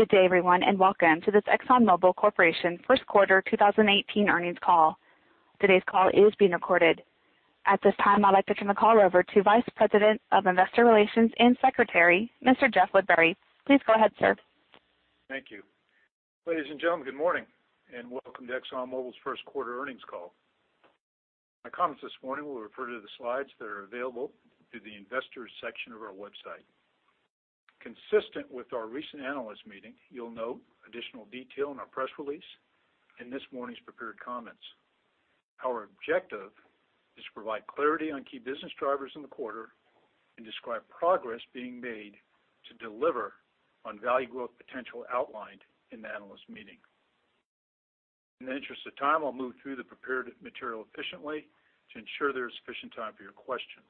Good day everyone, and welcome to this Exxon Mobil Corporation first quarter 2018 earnings call. Today's call is being recorded. At this time, I'd like to turn the call over to Vice President of Investor Relations and Secretary, Mr. Jeff Woodbury. Please go ahead, sir. Thank you. Ladies and gentlemen, good morning, and welcome to Exxon Mobil's first quarter earnings call. My comments this morning will refer to the slides that are available through the Investors section of our website. Consistent with our recent analyst meeting, you'll note additional detail in our press release and this morning's prepared comments. Our objective is to provide clarity on key business drivers in the quarter, and describe progress being made to deliver on value growth potential outlined in the analyst meeting. In the interest of time, I'll move through the prepared material efficiently to ensure there is sufficient time for your questions.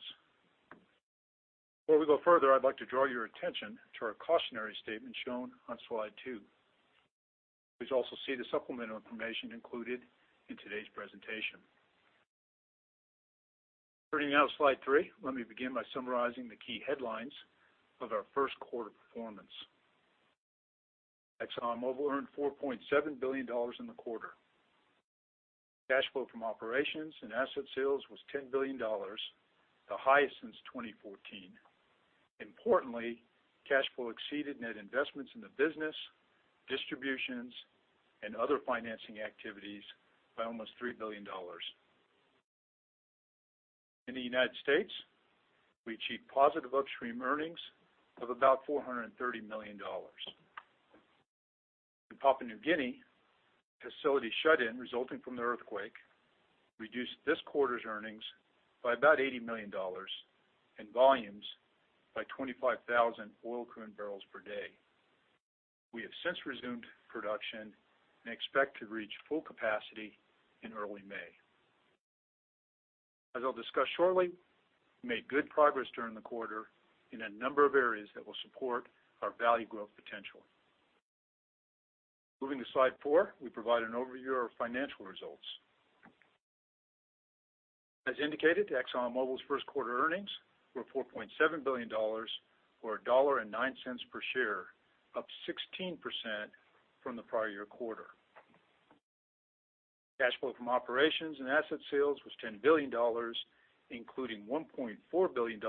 Before we go further, I'd like to draw your attention to our cautionary statement shown on slide two. Please also see the supplemental information included in today's presentation. Turning now to slide three, let me begin by summarizing the key headlines of our first quarter performance. ExxonMobil earned $4.7 billion in the quarter. Cash flow from operations and asset sales was $10 billion, the highest since 2014. Importantly, cash flow exceeded net investments in the business, distributions, and other financing activities by almost $3 billion. In the U.S., we achieved positive upstream earnings of about $430 million. In Papua New Guinea, facility shut-in resulting from the earthquake reduced this quarter's earnings by about $80 million and volumes by 25,000 oil equivalent barrels per day. We have since resumed production and expect to reach full capacity in early May. As I'll discuss shortly, we made good progress during the quarter in a number of areas that will support our value growth potential. Moving to slide four, we provide an overview of our financial results. As indicated, ExxonMobil's first quarter earnings were $4.7 billion, or $1.09 per share, up 16% from the prior year quarter. Cash flow from operations and asset sales was $10 billion, including $1.4 billion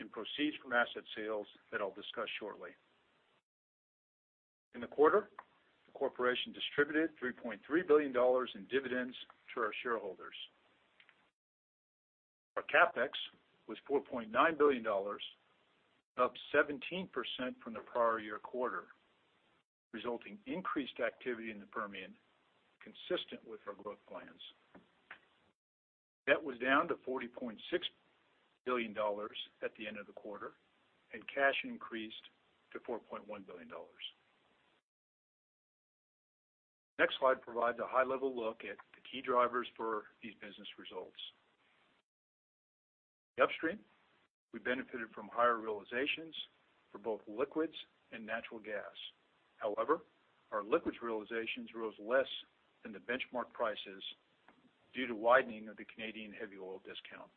in proceeds from asset sales that I'll discuss shortly. In the quarter, the corporation distributed $3.3 billion in dividends to our shareholders. Our CapEx was $4.9 billion, up 17% from the prior year quarter, resulting increased activity in the Permian consistent with our growth plans. Debt was down to $40.6 billion at the end of the quarter, and cash increased to $4.1 billion. Next slide provides a high-level look at the key drivers for these business results. In the upstream, we benefited from higher realizations for both liquids and natural gas. However, our liquids realizations rose less than the benchmark prices due to widening of the Canadian heavy oil discount.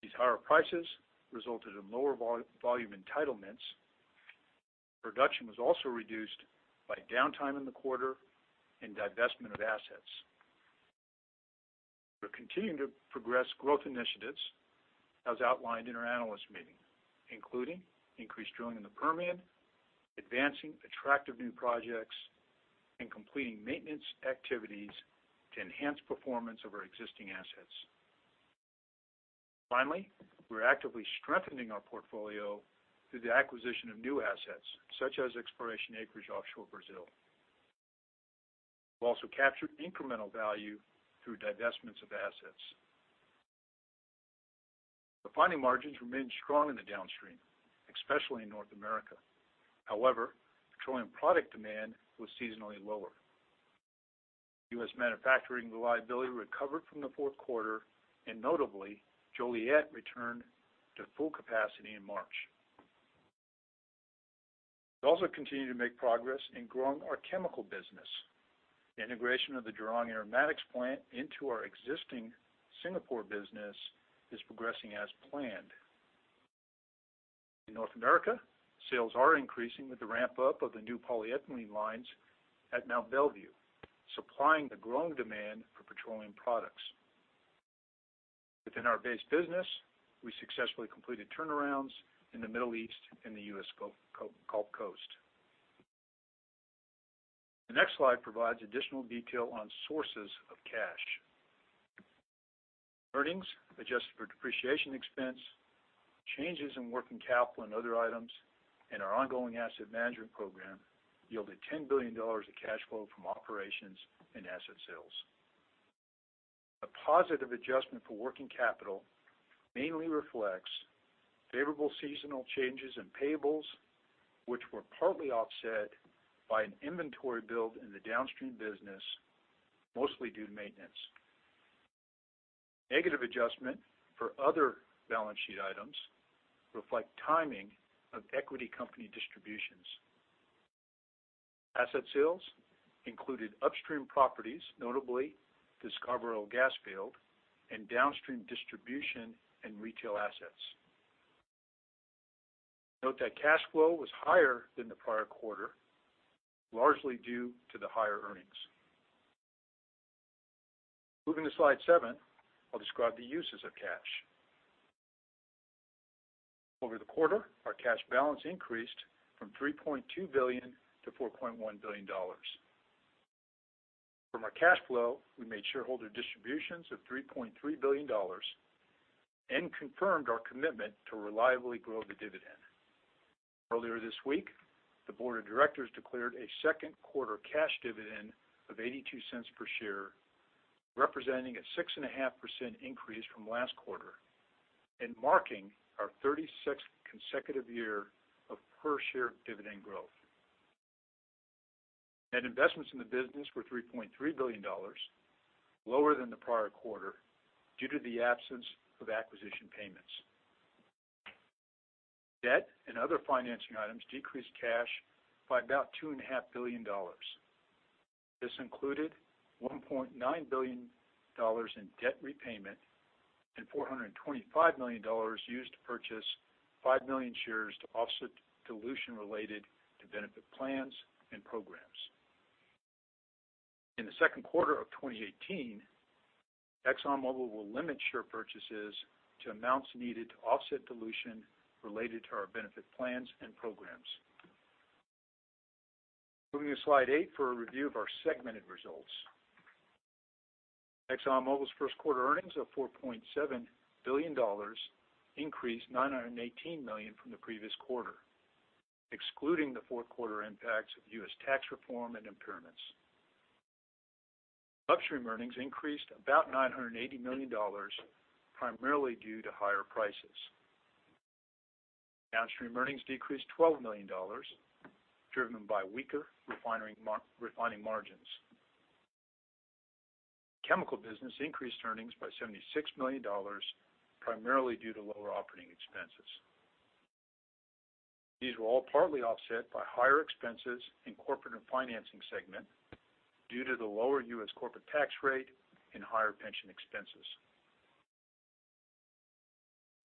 These higher prices resulted in lower volume entitlements. Production was also reduced by downtime in the quarter and divestment of assets. We're continuing to progress growth initiatives as outlined in our analyst meeting, including increased drilling in the Permian, advancing attractive new projects, and completing maintenance activities to enhance performance of our existing assets. Finally, we're actively strengthening our portfolio through the acquisition of new assets, such as exploration acreage offshore Brazil. We've also captured incremental value through divestments of assets. Refining margins remained strong in the downstream, especially in North America. However, petroleum product demand was seasonally lower. U.S. manufacturing reliability recovered from the fourth quarter, and notably, Joliet returned to full capacity in March. We also continue to make progress in growing our Chemical business. The integration of the Jurong Aromatics plant into our existing Singapore business is progressing as planned. In North America, sales are increasing with the ramp-up of the new polyethylene lines at Mont Belvieu, supplying the growing demand for petroleum products. Within our base business, we successfully completed turnarounds in the Middle East and the U.S. Gulf Coast. The next slide provides additional detail on sources of cash. Earnings adjusted for depreciation expense, changes in working capital and other items in our ongoing asset management program yielded $10 billion of cash flow from operations and asset sales. A positive adjustment for working capital mainly reflects favorable seasonal changes in payables, which were partly offset by an inventory build in the downstream business, mostly due to maintenance. Negative adjustment for other balance sheet items reflect timing of equity. Asset sales included upstream properties, notably the Scarborough gas field, and downstream distribution and retail assets. Note that cash flow was higher than the prior quarter, largely due to the higher earnings. Moving to slide seven, I'll describe the uses of cash. Over the quarter, our cash balance increased from $3.2 billion to $4.1 billion. From our cash flow, we made shareholder distributions of $3.3 billion and confirmed our commitment to reliably grow the dividend. Earlier this week, the board of directors declared a second quarter cash dividend of $0.82 per share, representing a 6.5% increase from last quarter, and marking our 36th consecutive year of per-share dividend growth. Net investments in the business were $3.3 billion, lower than the prior quarter due to the absence of acquisition payments. Debt and other financing items decreased cash by about $2.5 billion. This included $1.9 billion in debt repayment and $425 million used to purchase 5 million shares to offset dilution related to benefit plans and programs. In the second quarter of 2018, ExxonMobil will limit share purchases to amounts needed to offset dilution related to our benefit plans and programs. Moving to slide eight for a review of our segmented results. ExxonMobil's first quarter earnings of $4.7 billion increased $918 million from the previous quarter, excluding the fourth quarter impacts of U.S. tax reform and impairments. Upstream earnings increased about $980 million, primarily due to higher prices. Downstream earnings decreased $12 million, driven by weaker refining margins. Chemical business increased earnings by $76 million, primarily due to lower operating expenses. These were all partly offset by higher expenses in Corporate and Financing segment due to the lower U.S. corporate tax rate and higher pension expenses.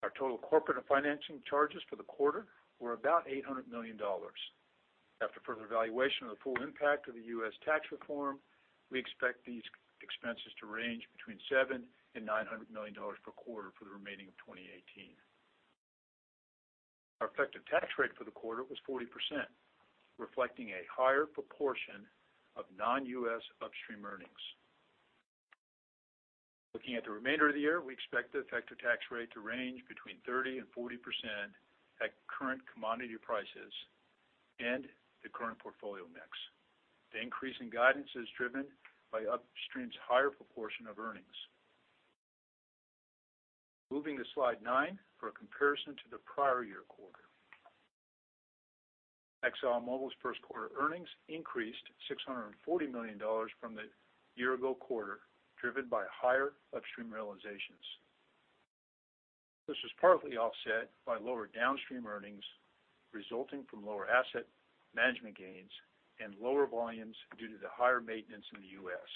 Our total Corporate and Financing charges for the quarter were about $800 million. After further evaluation of the full impact of the U.S. tax reform, we expect these expenses to range between $700 million and $900 million per quarter for the remaining of 2018. Our effective tax rate for the quarter was 40%, reflecting a higher proportion of non-U.S. upstream earnings. Looking at the remainder of the year, we expect the effective tax rate to range between 30% and 40% at current commodity prices and the current portfolio mix. The increase in guidance is driven by upstream's higher proportion of earnings. Moving to slide nine for a comparison to the prior year quarter. ExxonMobil's first quarter earnings increased $640 million from the year-ago quarter, driven by higher upstream realizations. This was partly offset by lower downstream earnings resulting from lower asset management gains and lower volumes due to the higher maintenance in the U.S.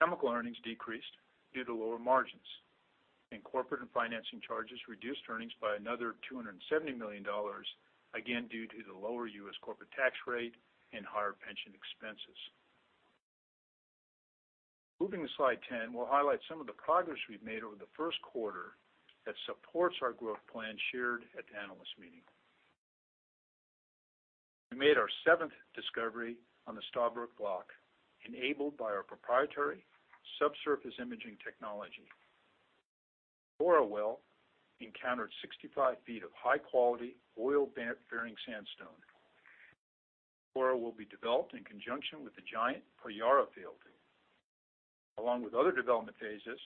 Chemical earnings decreased due to lower margins, and corporate and financing charges reduced earnings by another $270 million, again, due to the lower U.S. corporate tax rate and higher pension expenses. Moving to slide 10, we'll highlight some of the progress we've made over the first quarter that supports our growth plan shared at the analyst meeting. We made our seventh discovery on the Stabroek Block, enabled by our proprietary subsurface imaging technology. Flora well encountered 65 feet of high-quality oil-bearing sandstone. Flora will be developed in conjunction with the giant Payara field. Along with other development phases,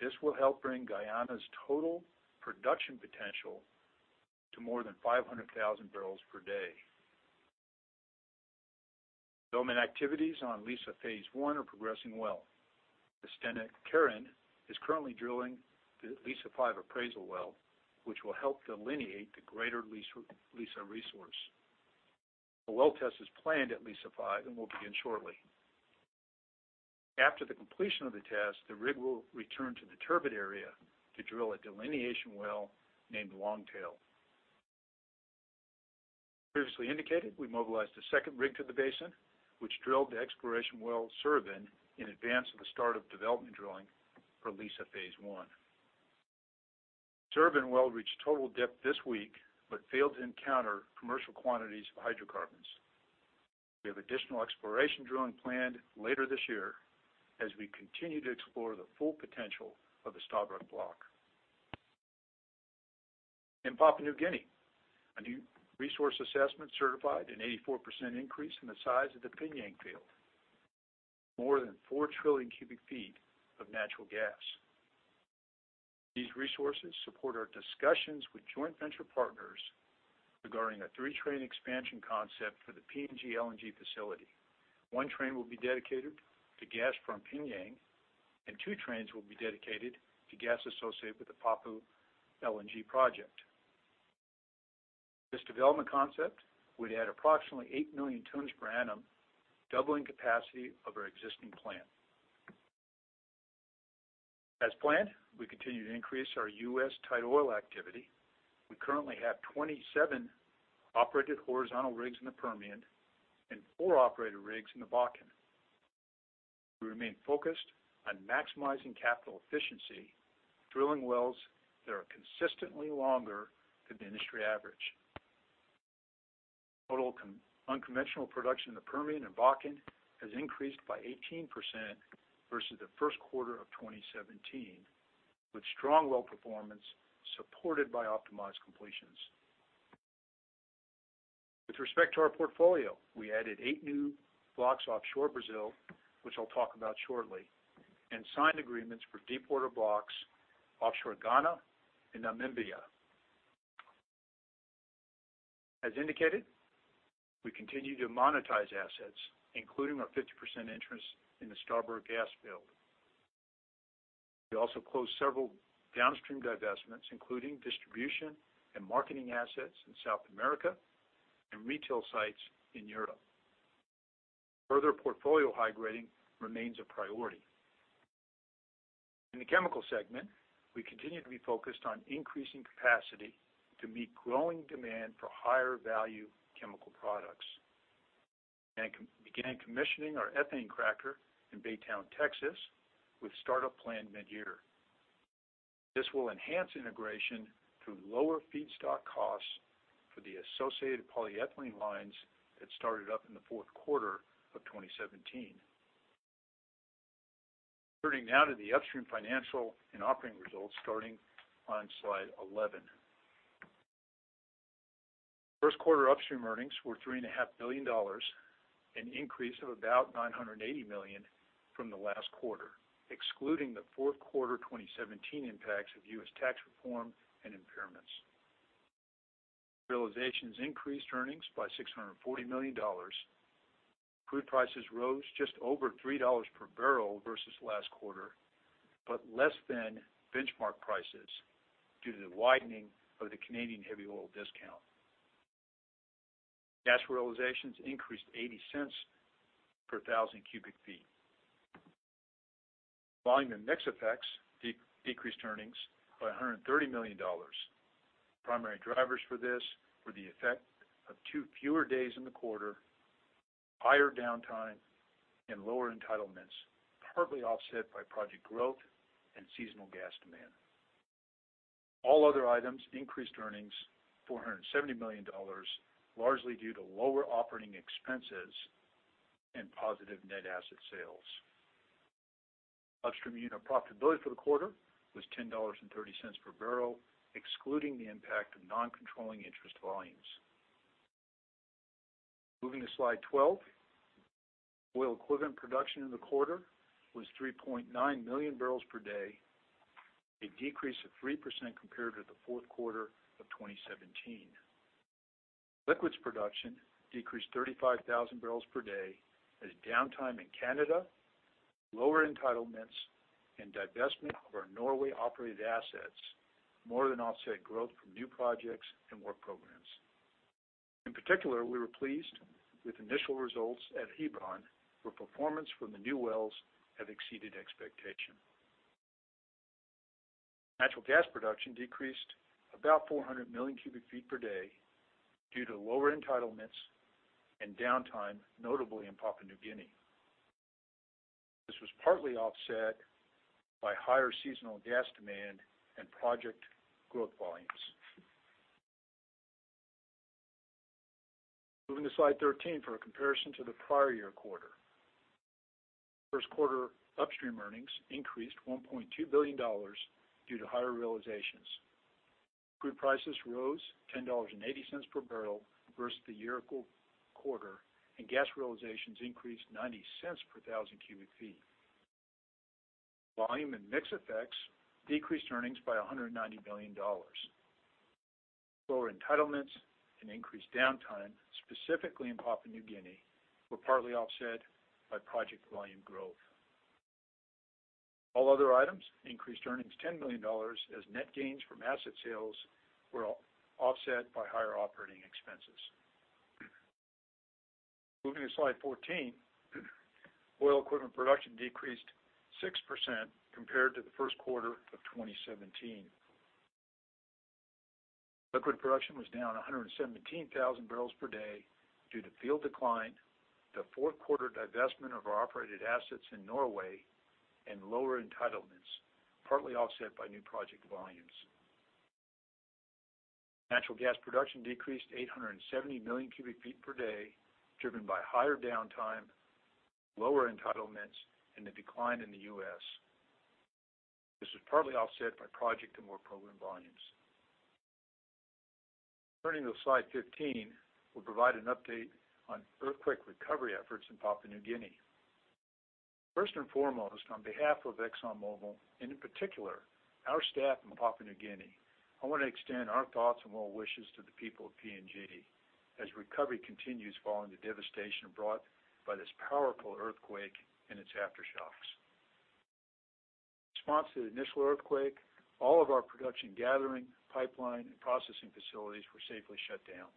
this will help bring Guyana's total production potential to more than 500,000 barrels per day. Development activities on Liza Phase One are progressing well. The Stena Carron is currently drilling the Liza-5 appraisal well, which will help delineate the greater Liza resource. A well test is planned at Liza-5 and will begin shortly. After the completion of the test, the rig will return to the Turbot area to drill a delineation well named Longtail. As previously indicated, we mobilized a second rig to the basin, which drilled the exploration well Sorubim in advance of the start of development drilling for Liza Phase One. Sorubim well reached total depth this week but failed to encounter commercial quantities of hydrocarbons. We have additional exploration drilling planned later this year as we continue to explore the full potential of the Stabroek Block. In Papua New Guinea, a new resource assessment certified an 84% increase in the size of the PNG field, more than 4 trillion cubic feet of natural gas. These resources support our discussions with joint venture partners regarding a 3-train expansion concept for the PNG LNG facility. One train will be dedicated to gas from PNG. Two trains will be dedicated to gas associated with the Papua LNG project. This development concept would add approximately 8 million tons per annum, doubling capacity of our existing plant. As planned, we continue to increase our U.S. tight oil activity. We currently have 27 operated horizontal rigs in the Permian and four operated rigs in the Bakken. We remain focused on maximizing capital efficiency, drilling wells that are consistently longer than the industry average. Total unconventional production in the Permian and Bakken has increased by 18% versus the first quarter of 2017, with strong well performance supported by optimized completions. With respect to our portfolio, we added eight new blocks offshore Brazil, which I'll talk about shortly, and signed agreements for deepwater blocks offshore Ghana and Namibia. As indicated, we continue to monetize assets, including our 50% interest in the Scarborough gas field. We also closed several downstream divestments, including distribution and marketing assets in South America and retail sites in Europe. Further portfolio high-grading remains a priority. In the chemical segment, we continue to be focused on increasing capacity to meet growing demand for higher-value chemical products and began commissioning our ethane cracker in Baytown, Texas, with startup planned mid-year. This will enhance integration through lower feedstock costs for the associated polyethylene lines that started up in the fourth quarter of 2017. Turning now to the upstream financial and operating results, starting on slide 11. First quarter upstream earnings were $3.5 billion, an increase of about $980 million from the last quarter, excluding the fourth quarter 2017 impacts of U.S. tax reform and impairments. Realizations increased earnings by $640 million. Crude prices rose just over $3 per barrel versus last quarter, but less than benchmark prices due to the widening of the Canadian heavy oil discount. Gas realizations increased $0.80 per thousand cubic feet. Volume and mix effects decreased earnings by $130 million. Primary drivers for this were the effect of two fewer days in the quarter, higher downtime, and lower entitlements, partly offset by project growth and seasonal gas demand. All other items increased earnings $470 million, largely due to lower operating expenses and positive net asset sales. Upstream unit profitability for the quarter was $10.30 per barrel, excluding the impact of non-controlling interest volumes. Moving to slide 12. Oil equivalent production in the quarter was 3.9 million barrels per day, a decrease of 3% compared to the fourth quarter of 2017. Liquids production decreased 35,000 barrels per day as downtime in Canada, lower entitlements, and divestment of our Norway-operated assets more than offset growth from new projects and work programs. In particular, we were pleased with initial results at Hebron, where performance from the new wells have exceeded expectation. Natural gas production decreased about 400 million cubic feet per day due to lower entitlements and downtime, notably in Papua New Guinea. This was partly offset by higher seasonal gas demand and project growth volumes. Moving to slide 13 for a comparison to the prior year quarter. First quarter upstream earnings increased $1.2 billion due to higher realizations. Crude prices rose $10.80 per barrel versus the year-ago quarter, and gas realizations increased $0.90 per thousand cubic feet. Volume and mix effects decreased earnings by $190 million. Lower entitlements and increased downtime, specifically in Papua New Guinea, were partly offset by project volume growth. All other items increased earnings $10 million as net gains from asset sales were offset by higher operating expenses. Moving to slide 14. Oil equivalent production decreased 6% compared to the first quarter of 2017. Liquid production was down 117,000 barrels per day due to field decline, the fourth quarter divestment of our operated assets in Norway, and lower entitlements, partly offset by new project volumes. Natural gas production decreased 870 million cubic feet per day, driven by higher downtime, lower entitlements, and the decline in the U.S. This was partly offset by project and work program volumes. Turning to slide 15, we'll provide an update on earthquake recovery efforts in Papua New Guinea. First and foremost, on behalf of ExxonMobil, and in particular our staff in Papua New Guinea, I want to extend our thoughts and well wishes to the people of PNG. As recovery continues following the devastation brought by this powerful earthquake and its aftershocks. In response to the initial earthquake, all of our production gathering, pipeline, and processing facilities were safely shut down.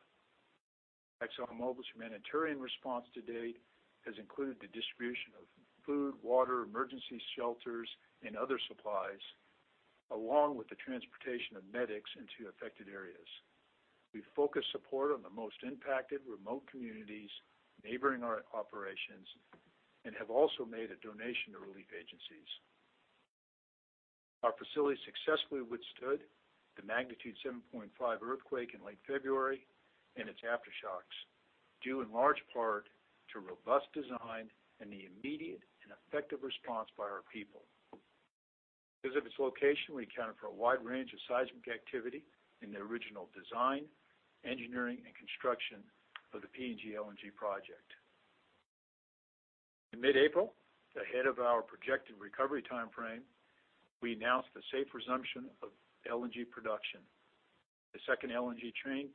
ExxonMobil's humanitarian response to date has included the distribution of food, water, emergency shelters, and other supplies, along with the transportation of medics into affected areas. We focus support on the most impacted remote communities neighboring our operations and have also made a donation to relief agencies. Our facility successfully withstood the magnitude 7.5 earthquake in late February and its aftershocks, due in large part to robust design and the immediate and effective response by our people. Because of its location, we accounted for a wide range of seismic activity in the original design, engineering, and construction of the PNG LNG project. In mid-April, ahead of our projected recovery timeframe, we announced the safe resumption of LNG production. The second LNG train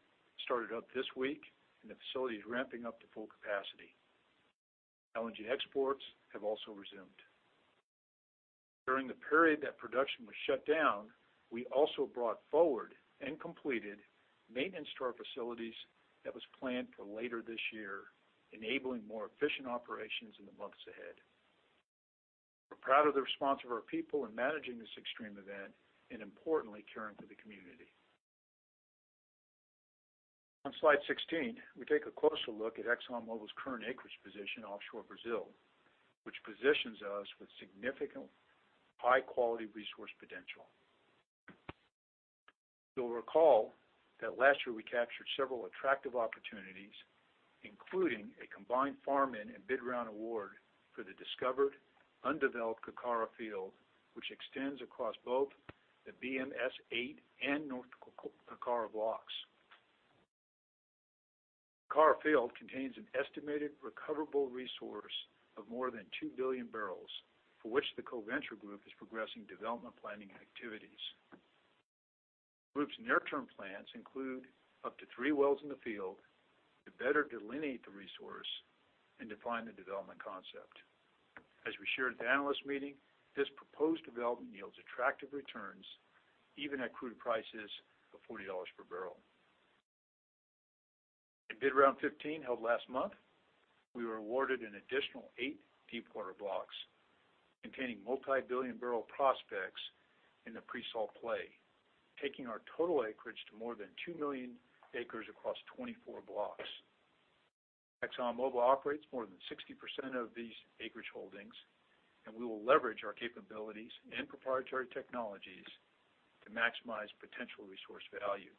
started up this week, and the facility is ramping up to full capacity. LNG exports have also resumed. During the period that production was shut down, we also brought forward and completed maintenance to our facilities that was planned for later this year, enabling more efficient operations in the months ahead. We're proud of the response of our people in managing this extreme event and importantly, caring for the community. On slide 16, we take a closer look at ExxonMobil's current acreage position offshore Brazil, which positions us with significant high-quality resource potential. You'll recall that last year we captured several attractive opportunities, including a combined farm in and bid round award for the discovered undeveloped Carcara Field, which extends across both the BMS-8 and North Carcara blocks. Carcara Field contains an estimated recoverable resource of more than two billion barrels, for which the co-venture group is progressing development planning activities. Group's near-term plans include up to three wells in the field to better delineate the resource and define the development concept. As we shared at the analyst meeting, this proposed development yields attractive returns even at crude prices of $40 per barrel. In bid round 15, held last month, we were awarded an additional eight deepwater blocks containing multi-billion barrel prospects in the pre-salt play, taking our total acreage to more than two million acres across 24 blocks. We will leverage our capabilities and proprietary technologies to maximize potential resource value.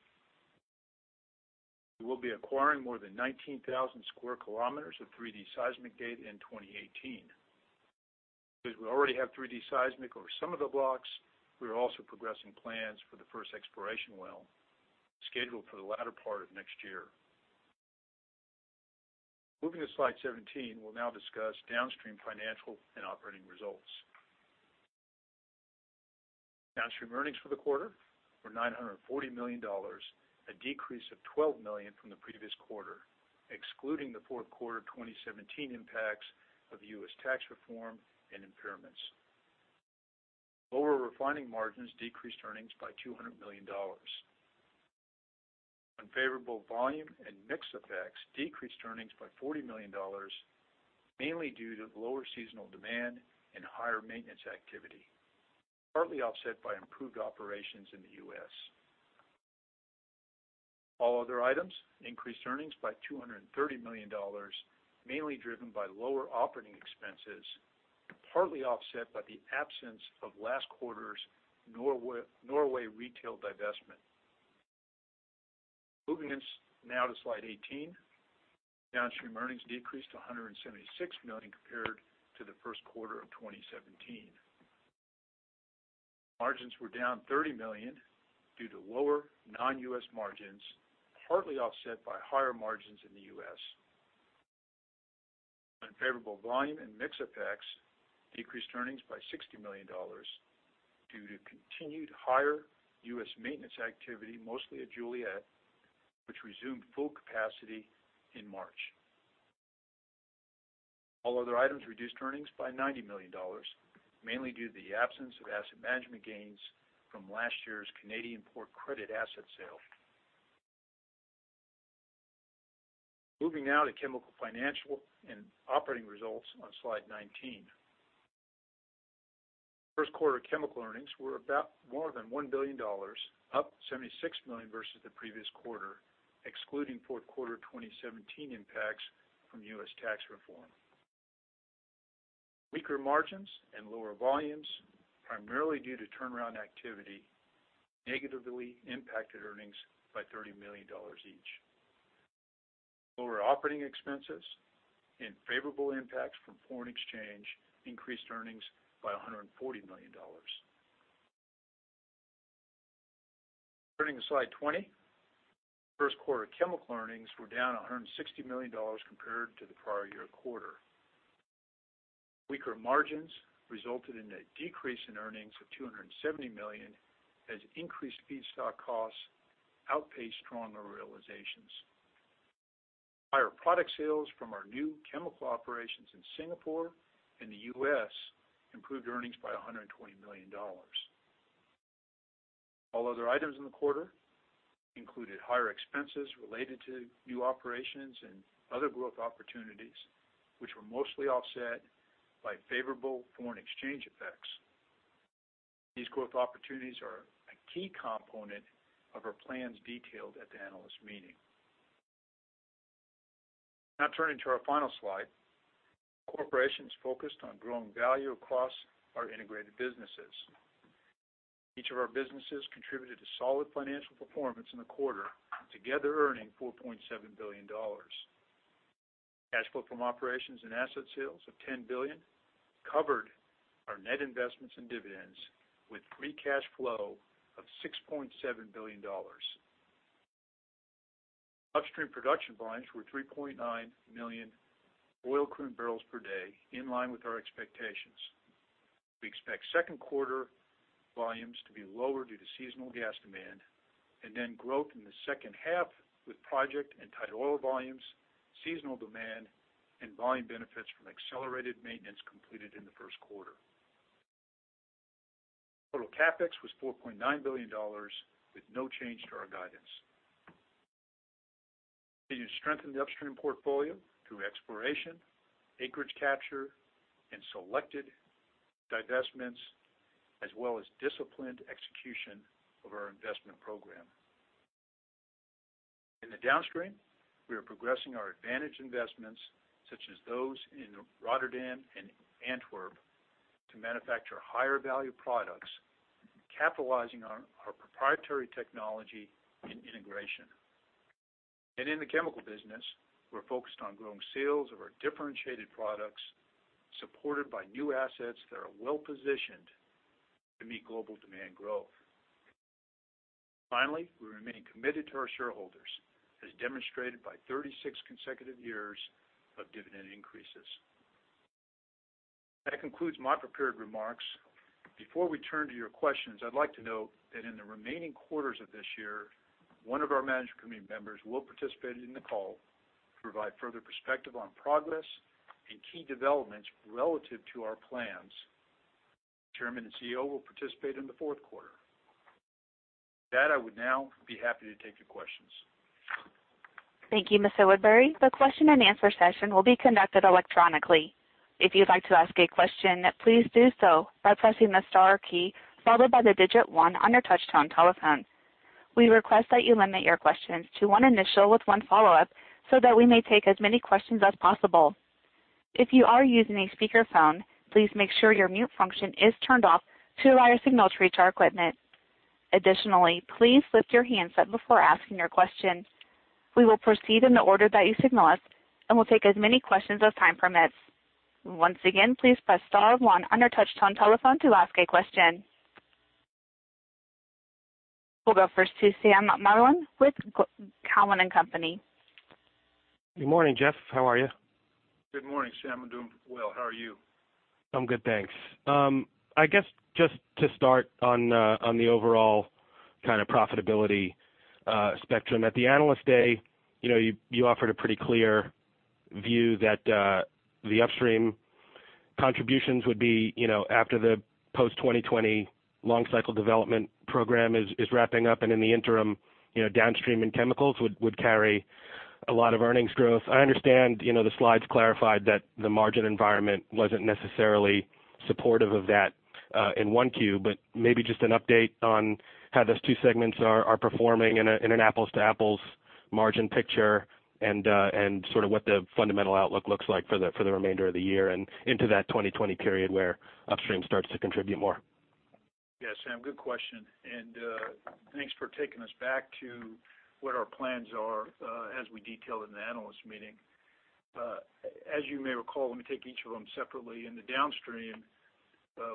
We will be acquiring more than 19,000 square kilometers of 3D seismic data in 2018. Because we already have 3D seismic over some of the blocks, we are also progressing plans for the first exploration well scheduled for the latter part of next year. Moving to slide 17, we'll now discuss downstream financial and operating results. Downstream earnings for the quarter were $940 million, a decrease of $12 million from the previous quarter, excluding the fourth quarter 2017 impacts of U.S. tax reform and impairments. Lower refining margins decreased earnings by $200 million. Unfavorable volume and mix effects decreased earnings by $40 million, mainly due to lower seasonal demand and higher maintenance activity, partly offset by improved operations in the U.S. All other items increased earnings by $230 million, mainly driven by lower operating expenses, partly offset by the absence of last quarter's Norway retail divestment. Moving us now to slide 18. Downstream earnings decreased to $176 million compared to the first quarter of 2017. Margins were down $30 million due to lower non-U.S. margins, partly offset by higher margins in the U.S. Unfavorable volume and mix effects decreased earnings by $60 million due to continued higher U.S. maintenance activity, mostly at Joliet, which resumed full capacity in March. All other items reduced earnings by $90 million, mainly due to the absence of asset management gains from last year's Canadian Port Credit asset sale. Moving now to chemical financial and operating results on slide 19. First quarter chemical earnings were about more than $1 billion, up $76 million versus the previous quarter, excluding fourth quarter 2017 impacts from U.S. tax reform. Weaker margins and lower volumes, primarily due to turnaround activity, negatively impacted earnings by $30 million each. Lower operating expenses and favorable impacts from foreign exchange increased earnings by $140 million. Turning to slide 20. First quarter chemical earnings were down $160 million compared to the prior year quarter. Weaker margins resulted in a decrease in earnings of $270 million as increased feedstock costs outpaced stronger realizations. Higher product sales from our new chemical operations in Singapore and the U.S. improved earnings by $120 million. All other items in the quarter included higher expenses related to new operations and other growth opportunities, which were mostly offset by favorable foreign exchange effects. These growth opportunities are a key component of our plans detailed at the analyst meeting. Turning to our final slide. The corporation's focused on growing value across our integrated businesses. Each of our businesses contributed to solid financial performance in the quarter, together earning $4.7 billion. Cash flow from operations and asset sales of $10 billion covered our net investments and dividends with free cash flow of $6.7 billion. Upstream production volumes were 3.9 million oil equivalent barrels per day, in line with our expectations. We expect second quarter volumes to be lower due to seasonal gas demand and growth in the second half with project and tight oil volumes, seasonal demand, and volume benefits from accelerated maintenance completed in the first quarter. Total CapEx was $4.9 billion with no change to our guidance. Continue to strengthen the upstream portfolio through exploration, acreage capture, and selected divestments, as well as disciplined execution of our investment program. In the downstream, we are progressing our advantage investments, such as those in Rotterdam and Antwerp, to manufacture higher value products, capitalizing on our proprietary technology and integration. In the chemical business, we're focused on growing sales of our differentiated products, supported by new assets that are well-positioned to meet global demand growth. Finally, we remain committed to our shareholders, as demonstrated by 36 consecutive years of dividend increases. That concludes my prepared remarks. Before we turn to your questions, I'd like to note that in the remaining quarters of this year, one of our management committee members will participate in the call to provide further perspective on progress and key developments relative to our plans. The chairman and CEO will participate in the fourth quarter. With that, I would now be happy to take your questions. Thank you, Mr. Woodbury. The question-and-answer session will be conducted electronically. If you'd like to ask a question, please do so by pressing the star key followed by the digit one on your touchtone telephone. We request that you limit your questions to one initial with one follow-up so that we may take as many questions as possible. If you are using a speakerphone, please make sure your mute function is turned off to allow your signal to reach our equipment. Additionally, please lift your handset before asking your question. We will proceed in the order that you signal us and will take as many questions as time permits. Once again, please press star one on your touchtone telephone to ask a question. We'll go first to Sam Margolin with Cowen and Company. Good morning, Jeff. How are you? Good morning, Sam. I'm doing well. How are you? I'm good, thanks. I guess just to start on the overall profitability spectrum. At the Analyst Day, you offered a pretty clear view that the upstream contributions would be after the post-2020 long cycle development program is wrapping up, and in the interim, downstream in chemicals would carry a lot of earnings growth. I understand the slides clarified that the margin environment wasn't necessarily supportive of that in 1Q. Maybe just an update on how those two segments are performing in an apples-to-apples margin picture and what the fundamental outlook looks like for the remainder of the year and into that 2020 period where upstream starts to contribute more. Yeah, Sam, good question, thanks for taking us back to what our plans are as we detailed in the analyst meeting. As you may recall, let me take each of them separately. In the downstream,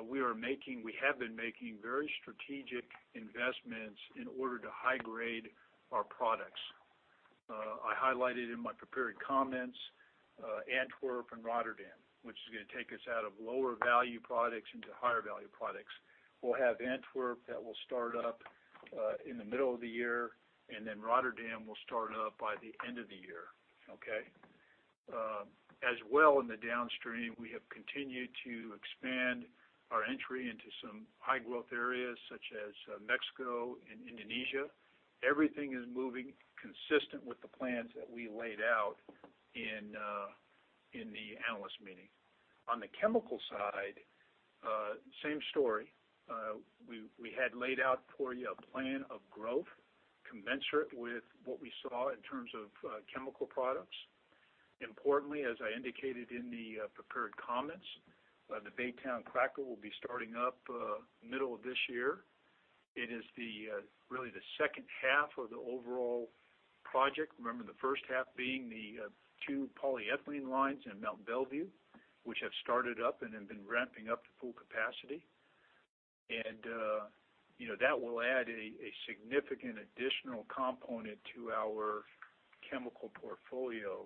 we have been making very strategic investments in order to high-grade our products. I highlighted in my prepared comments Antwerp and Rotterdam, which is going to take us out of lower value products into higher value products. We'll have Antwerp that will start up in the middle of the year, and then Rotterdam will start up by the end of the year. Okay? As well in the downstream, we have continued to expand our entry into some high growth areas such as Mexico and Indonesia. Everything is moving consistent with the plans that we laid out in the analyst meeting. On the chemical side, same story. We had laid out for you a plan of growth commensurate with what we saw in terms of chemical products. Importantly, as I indicated in the prepared comments the Baytown cracker will be starting up middle of this year. It is really the second half of the overall project. Remember the first half being the two polyethylene lines in Mont Belvieu, which have started up and have been ramping up to full capacity. That will add a significant additional component to our chemical portfolio.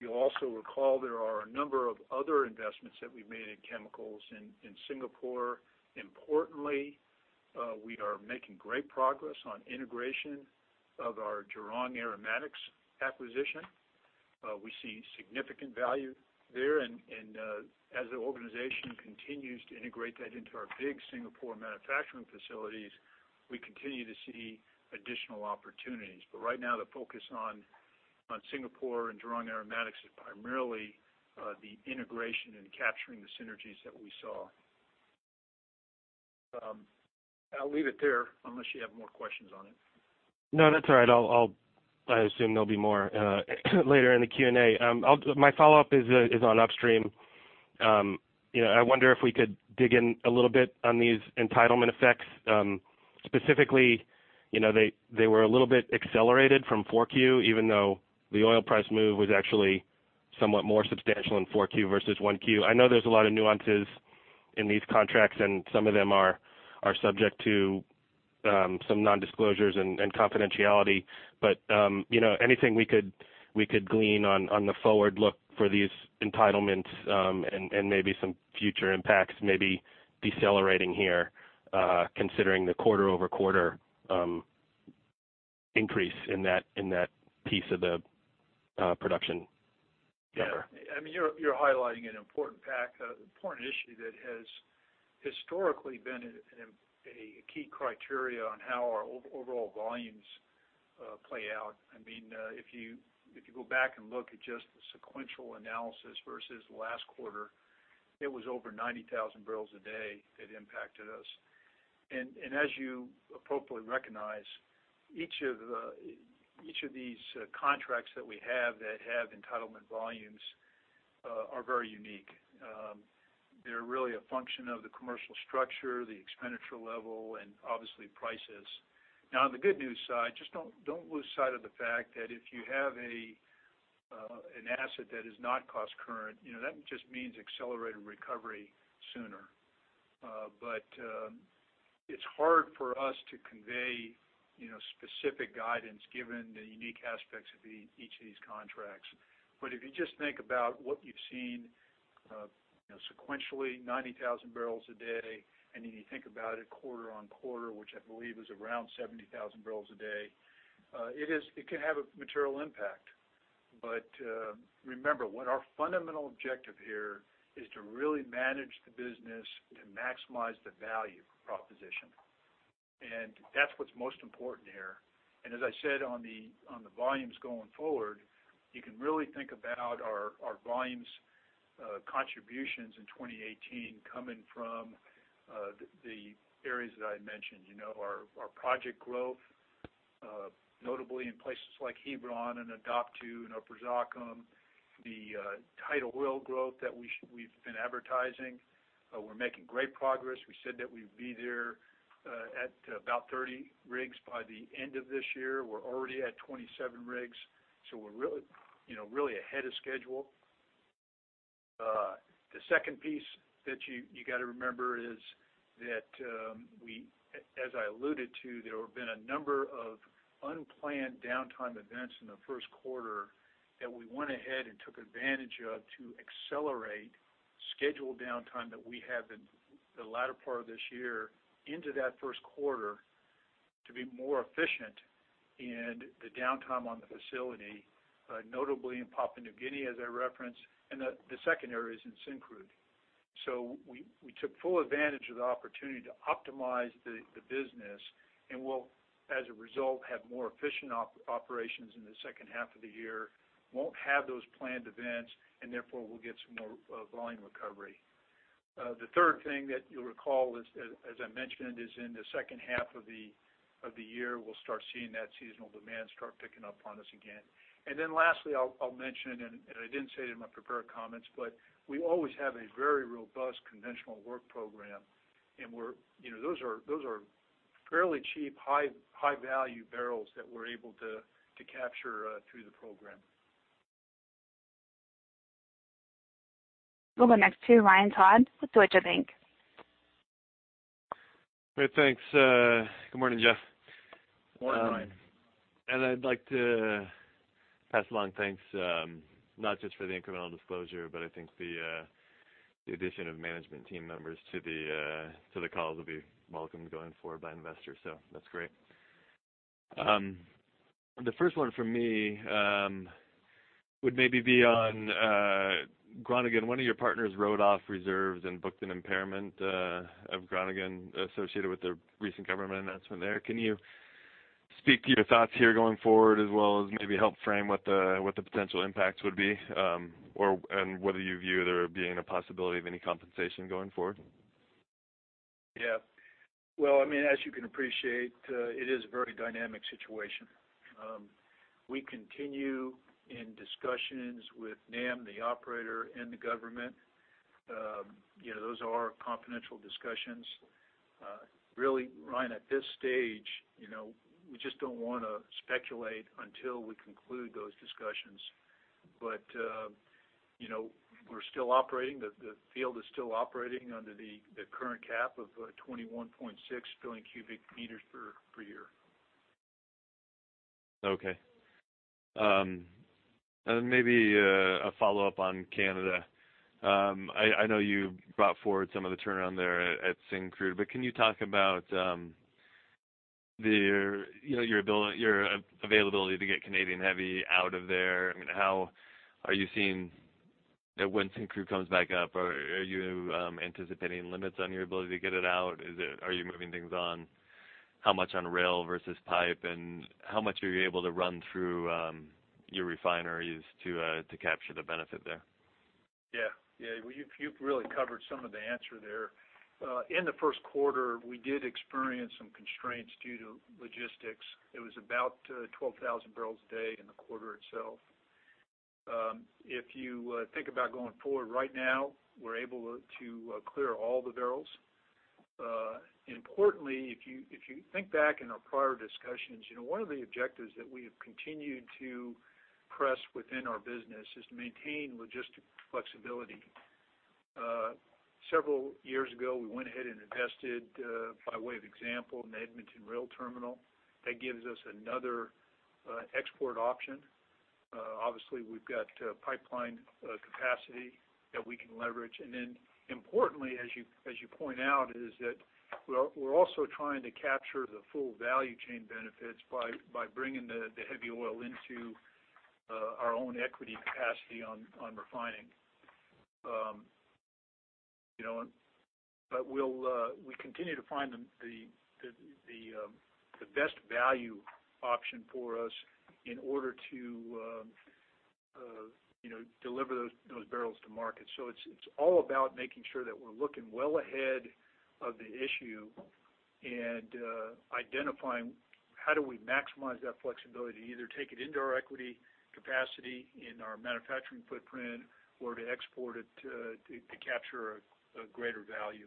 You'll also recall there are a number of other investments that we've made in chemicals in Singapore. Importantly, we are making great progress on integration of our Jurong Aromatics acquisition. We see significant value there. As the organization continues to integrate that into our big Singapore manufacturing facilities, we continue to see additional opportunities. Right now, the focus on Singapore and Jurong Aromatics is primarily the integration and capturing the synergies that we saw. I'll leave it there unless you have more questions on it. No, that's all right. I assume there'll be more later in the Q&A. My follow-up is on upstream. I wonder if we could dig in a little bit on these entitlement effects. Specifically, they were a little bit accelerated from 4Q, even though the oil price move was actually somewhat more substantial in 4Q versus 1Q. I know there's a lot of nuances in these contracts, and some of them are subject to some non-disclosures and confidentiality. Anything we could glean on the forward look for these entitlements, and maybe some future impacts, maybe decelerating here, considering the quarter-over-quarter increase in that piece of the production number. Yeah. You're highlighting an important issue that has historically been a key criteria on how our overall volumes play out. If you go back and look at just the sequential analysis versus last quarter, it was over 90,000 barrels a day that impacted us. As you appropriately recognize, each of these contracts that we have that have entitlement volumes are very unique. They're really a function of the commercial structure, the expenditure level, and obviously prices. On the good news side, just don't lose sight of the fact that if you have an asset that is not cost current, that just means accelerated recovery sooner. It's hard for us to convey specific guidance given the unique aspects of each of these contracts. If you just think about what you've seen sequentially, 90,000 barrels a day, then you think about it quarter-on-quarter, which I believe is around 70,000 barrels a day, it can have a material impact. Remember, what our fundamental objective here is to really manage the business to maximize the value proposition. That's what's most important here. As I said on the volumes going forward, you can really think about our volumes contributions in 2018 coming from the areas that I mentioned. Our project growth, notably in places like Hebron and Odoptu and Upper Zakum, the tight oil growth that we've been advertising. We're making great progress. We said that we'd be there at about 30 rigs by the end of this year. We're already at 27 rigs, we're really ahead of schedule. The second piece that you got to remember is that as I alluded to, there have been a number of unplanned downtime events in the first quarter that we went ahead and took advantage of to accelerate scheduled downtime that we have in the latter part of this year into that first quarter to be more efficient in the downtime on the facility. Notably in Papua New Guinea, as I referenced, the second area is in Syncrude. We took full advantage of the opportunity to optimize the business, we'll, as a result, have more efficient operations in the second half of the year. Won't have those planned events, therefore we'll get some more volume recovery. The third thing that you'll recall is, as I mentioned, is in the second half of the year, we'll start seeing that seasonal demand start picking up on us again. Lastly, I'll mention, I didn't say it in my prepared comments, we always have a very robust conventional work program, those are fairly cheap, high-value barrels that we're able to capture through the program. We'll go next to Ryan Todd with Deutsche Bank. Great. Thanks. Good morning, Jeff. Morning, Ryan. I'd like to pass along thanks, not just for the incremental disclosure, but I think the addition of management team members to the call will be welcome going forward by investors, that's great. The first one from me would maybe be on Groningen. One of your partners wrote off reserves and booked an impairment of Groningen associated with the recent government announcement there. Can you speak to your thoughts here going forward as well as maybe help frame what the potential impacts would be? Whether you view there being a possibility of any compensation going forward? Well, as you can appreciate, it is a very dynamic situation. We continue in discussions with NAM, the operator, and the government. Those are confidential discussions. Really, Ryan, at this stage, we just don't want to speculate until we conclude those discussions. We're still operating. The field is still operating under the current cap of 21.6 billion cubic meters per year. Okay. Maybe a follow-up on Canada. I know you brought forward some of the turnaround there at Syncrude, but can you talk about your availability to get Canadian heavy out of there? How are you seeing that when Syncrude comes back up, are you anticipating limits on your ability to get it out? Are you moving things on how much on rail versus pipe, and how much are you able to run through your refineries to capture the benefit there? Well, you've really covered some of the answer there. In the first quarter, we did experience some constraints due to logistics. It was about 12,000 barrels a day in the quarter itself. If you think about going forward, right now, we're able to clear all the barrels. Importantly, if you think back in our prior discussions, one of the objectives that we have continued to press within our business is to maintain logistic flexibility. Several years ago, we went ahead and invested, by way of example, in the Edmonton rail terminal. That gives us another export option. Obviously, we've got pipeline capacity that we can leverage. Then importantly, as you point out, is that we're also trying to capture the full value chain benefits by bringing the heavy oil into our own equity capacity on refining. We continue to find the best value option for us in order to deliver those barrels to market. It's all about making sure that we're looking well ahead of the issue and identifying how do we maximize that flexibility to either take it into our equity capacity, in our manufacturing footprint, or to export it to capture a greater value.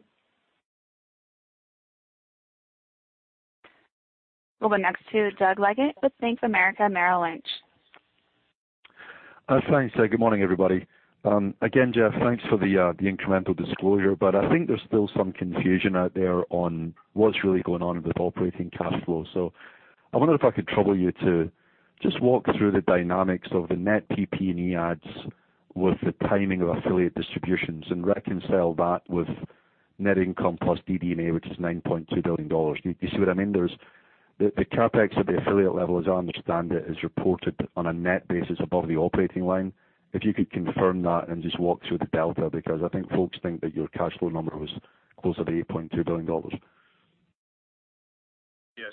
We'll go next to Doug Leggate with Bank of America Merrill Lynch. Thanks. Good morning, everybody. Again, Jeff, thanks for the incremental disclosure. I think there's still some confusion out there on what's really going on with operating cash flow. I wonder if I could trouble you to just walk through the dynamics of the net PP&E adds with the timing of affiliate distributions and reconcile that with net income plus DD&A, which is $9.2 billion. Do you see what I mean? The CapEx at the affiliate level, as I understand it, is reported on a net basis above the operating line. If you could confirm that and just walk through the delta, because I think folks think that your cash flow number was closer to $8.2 billion. Yeah.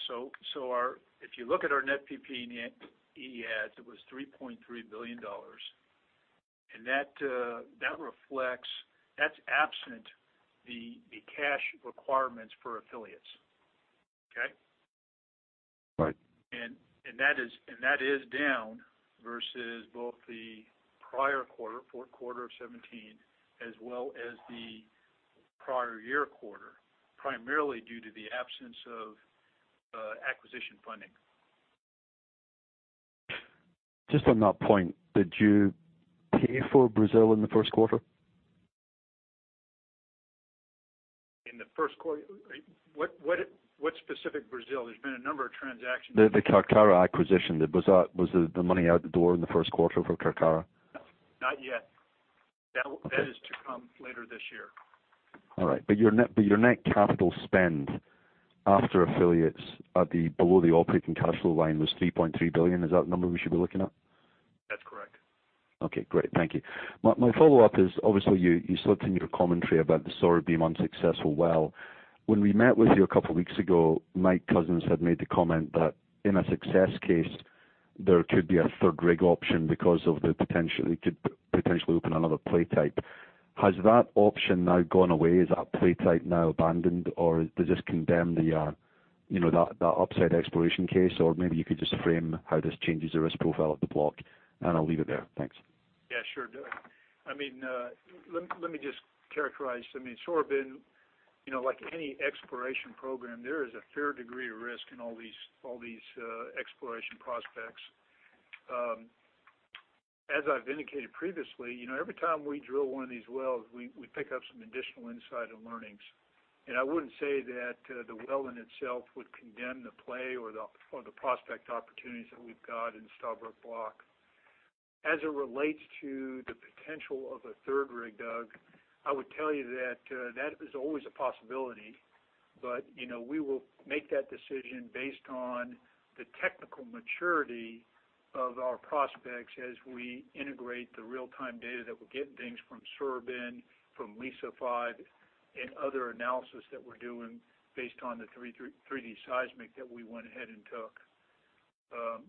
If you look at our net PP&E adds, it was $3.3 billion. That's absent the cash requirements for affiliates. Okay? Right. That is down versus both the prior quarter, fourth quarter of 2017, as well as the prior year quarter, primarily due to the absence of acquisition funding. Just on that point, did you pay for Brazil in the first quarter? In the first quarter, what specific Brazil? There's been a number of transactions. The Carcara acquisition. Was the money out the door in the first quarter for Carcara? Not yet. That is to come later this year. All right. Your net capital spend after affiliates below the operating cash flow line was $3.3 billion. Is that the number we should be looking at? That's correct. Okay, great. Thank you. My follow-up is, obviously, you slipped in your commentary about the Sorubim unsuccessful well. When we met with you a couple of weeks ago, Mike Cousins had made the comment that in a success case, there could be a third rig option because it could potentially open another play type. Has that option now gone away? Is that play type now abandoned, or does this condemn that upside exploration case? Maybe you could just frame how this changes the risk profile of the block, and I'll leave it there. Thanks. Yeah, sure, Doug. Let me just characterize. Sorubim, like any exploration program, there is a fair degree of risk in all these exploration prospects. As I've indicated previously, every time we drill one of these wells, we pick up some additional insight and learnings. I wouldn't say that the well in itself would condemn the play or the prospect opportunities that we've got in the Stabroek block. As it relates to the potential of a third rig, Doug, I would tell you that that is always a possibility. We will make that decision based on the technical maturity of our prospects as we integrate the real-time data that we're getting from things from Sorubim, from Liza-5, and other analysis that we're doing based on the 3D seismic that we went ahead and took.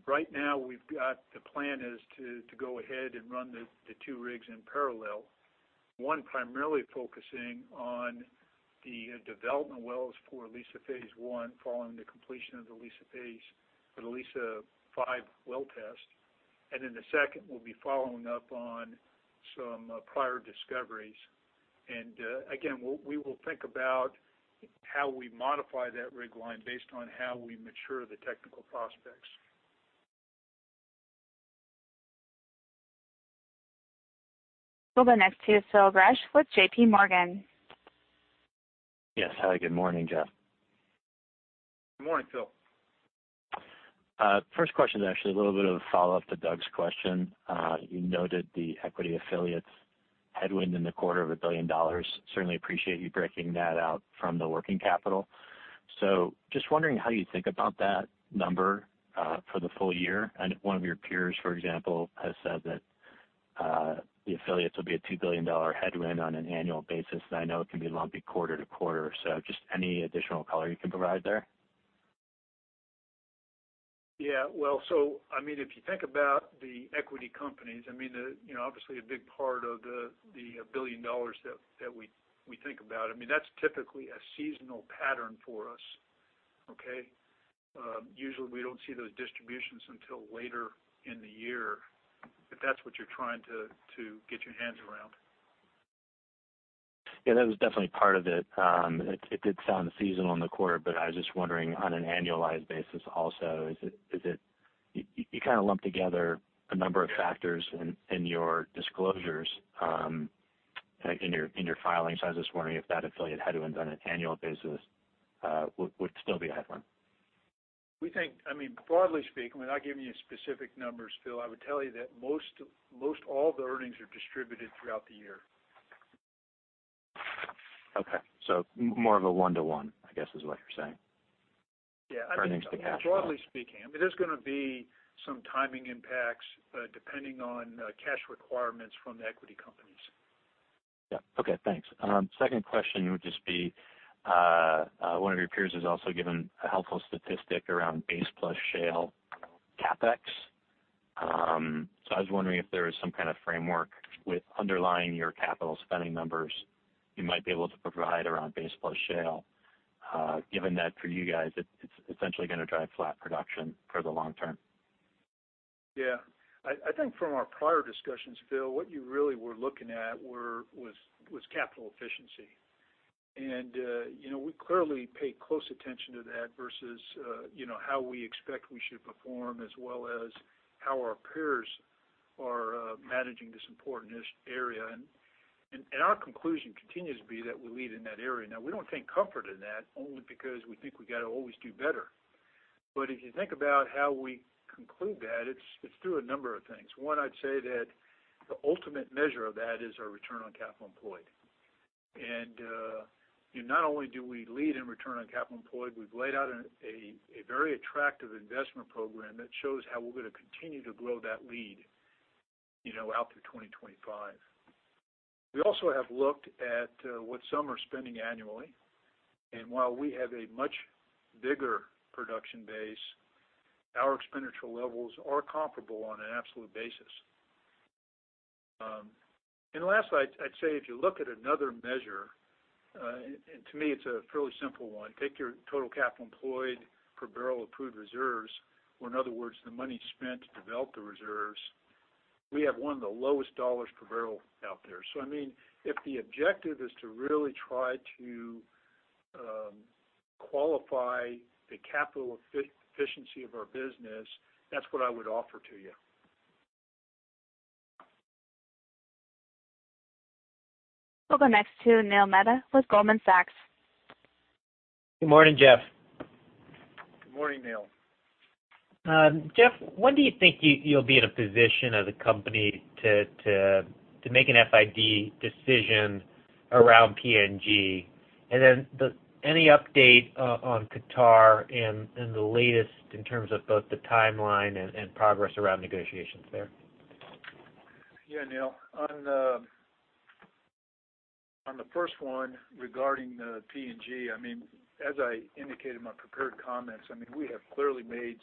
Right now, the plan is to go ahead and run the two rigs in parallel. One primarily focusing on the development wells for Liza Phase One following the completion of the Liza-5 well test. The second will be following up on some prior discoveries. Again, we will think about how we modify that rig line based on how we mature the technical prospects. We'll go next to Phil Gresh with JPMorgan. Yes. Hi, good morning, Jeff. Good morning, Phil. First question is actually a little bit of a follow-up to Doug's question. You noted the equity affiliates headwind in the quarter of a billion dollars. Certainly appreciate you breaking that out from the working capital. Just wondering how you think about that number for the full year, and if one of your peers, for example, has said that the affiliates will be a $2 billion headwind on an annual basis. I know it can be lumpy quarter to quarter, so just any additional color you can provide there? Yeah. If you think about the equity companies, obviously a big part of the $1 billion that we think about, that's typically a seasonal pattern for us. Okay? Usually, we don't see those distributions until later in the year, if that's what you're trying to get your hands around. Yeah, that was definitely part of it. It did sound seasonal in the quarter, I was just wondering on an annualized basis also, you kind of lump together a number of factors in your disclosures, in your filings. I was just wondering if that affiliate headwind on an annual basis would still be a headwind. Broadly speaking, without giving you specific numbers, Phil, I would tell you that most all of the earnings are distributed throughout the year. Okay. More of a one-to-one, I guess, is what you're saying? Yeah. Earnings to cash. Broadly speaking. There's going to be some timing impacts, depending on cash requirements from the equity companies. Yeah. Okay, thanks. Second question would just be, one of your peers has also given a helpful statistic around base plus shale CapEx. I was wondering if there is some kind of framework with underlying your capital spending numbers you might be able to provide around base plus shale, given that for you guys, it's essentially going to drive flat production for the long term. Yeah. I think from our prior discussions, Phil, what you really were looking at was capital efficiency. We clearly pay close attention to that versus how we expect we should perform, as well as how our peers are managing this important area. Our conclusion continues to be that we lead in that area. We don't take comfort in that, only because we think we've got to always do better. If you think about how we conclude that, it's through a number of things. One, I'd say that the ultimate measure of that is our return on capital employed. Not only do we lead in return on capital employed, we've laid out a very attractive investment program that shows how we're going to continue to grow that lead out through 2025. We also have looked at what some are spending annually. While we have a much bigger production base, our expenditure levels are comparable on an absolute basis. Last, I'd say if you look at another measure, to me it's a fairly simple one. Take your total capital employed per barrel of proved reserves, or in other words, the money spent to develop the reserves. We have one of the lowest $ per barrel out there. If the objective is to really try to qualify the capital efficiency of our business, that's what I would offer to you. We'll go next to Neil Mehta with Goldman Sachs. Good morning, Jeff. Good morning, Neil. Jeff, when do you think you'll be in a position as a company to make an FID decision around PNG? Then any update on Qatar and the latest in terms of both the timeline and progress around negotiations there? Neil. On the first one regarding the PNG, as I indicated in my prepared comments, we have clearly made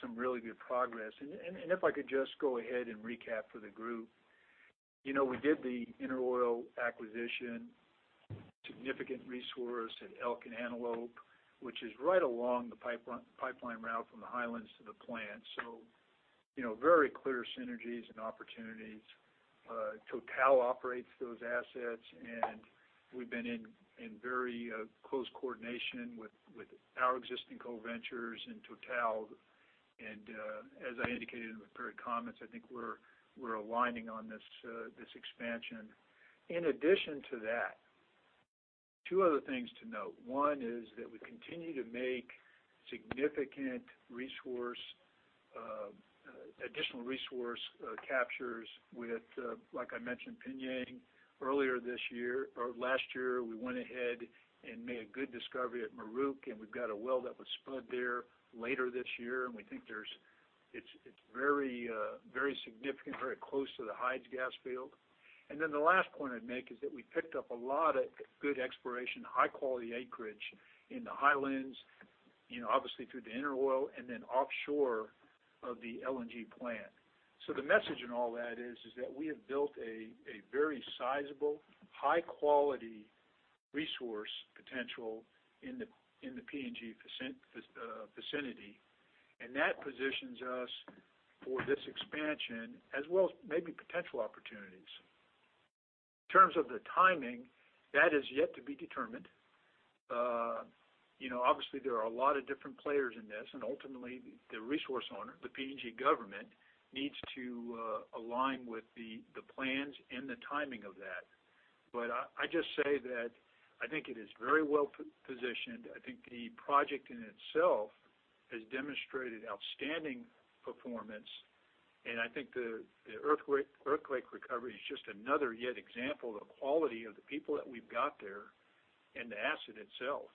some really good progress. If I could just go ahead and recap for the group. We did the InterOil Corporation acquisition, significant resource at Elk and Antelope, which is right along the pipeline route from the Highlands to the plant. Very clear synergies and opportunities. Total operates those assets, and we've been in very close coordination with our existing co-ventures and Total, as I indicated in the prepared comments, I think we're aligning on this expansion. In addition to that, two other things to note. One is that we continue to make significant additional resource captures with, like I mentioned, PNG. Earlier this year or last year, we went ahead and made a good discovery at Muruk, we've got a well that was spud there later this year, we think it's very significant, very close to the Hides gas field. Then the last point I'd make is that we picked up a lot of good exploration, high-quality acreage in the Highlands, obviously through the InterOil Corporation and then offshore of the LNG plant. The message in all that is that we have built a very sizable, high quality resource potential in the PNG vicinity. That positions us for this expansion as well as maybe potential opportunities. In terms of the timing, that is yet to be determined. Obviously there are a lot of different players in this, and ultimately the resource owner, the PNG government, needs to align with the plans and the timing of that. I just say that I think it is very well positioned. I think the project in itself has demonstrated outstanding performance, and I think the earthquake recovery is just another example of the quality of the people that we've got there and the asset itself.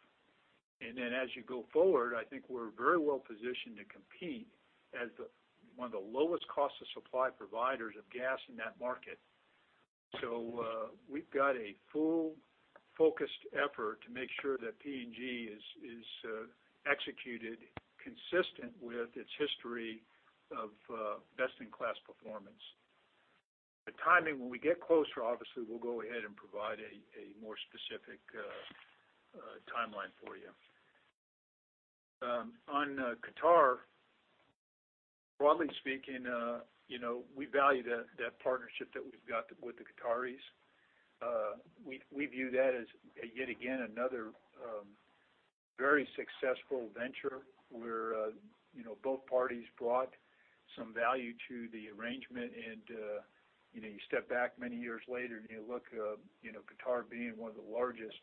As you go forward, I think we're very well positioned to compete as one of the lowest cost of supply providers of gas in that market. We've got a full focused effort to make sure that PNG is executed consistent with its history of best-in-class performance. The timing, when we get closer, obviously we'll go ahead and provide a more specific timeline for you. On Qatar, broadly speaking we value that partnership that we've got with the Qataris. We view that as, yet again, another very successful venture where both parties brought some value to the arrangement. You step back many years later and you look, Qatar being one of the largest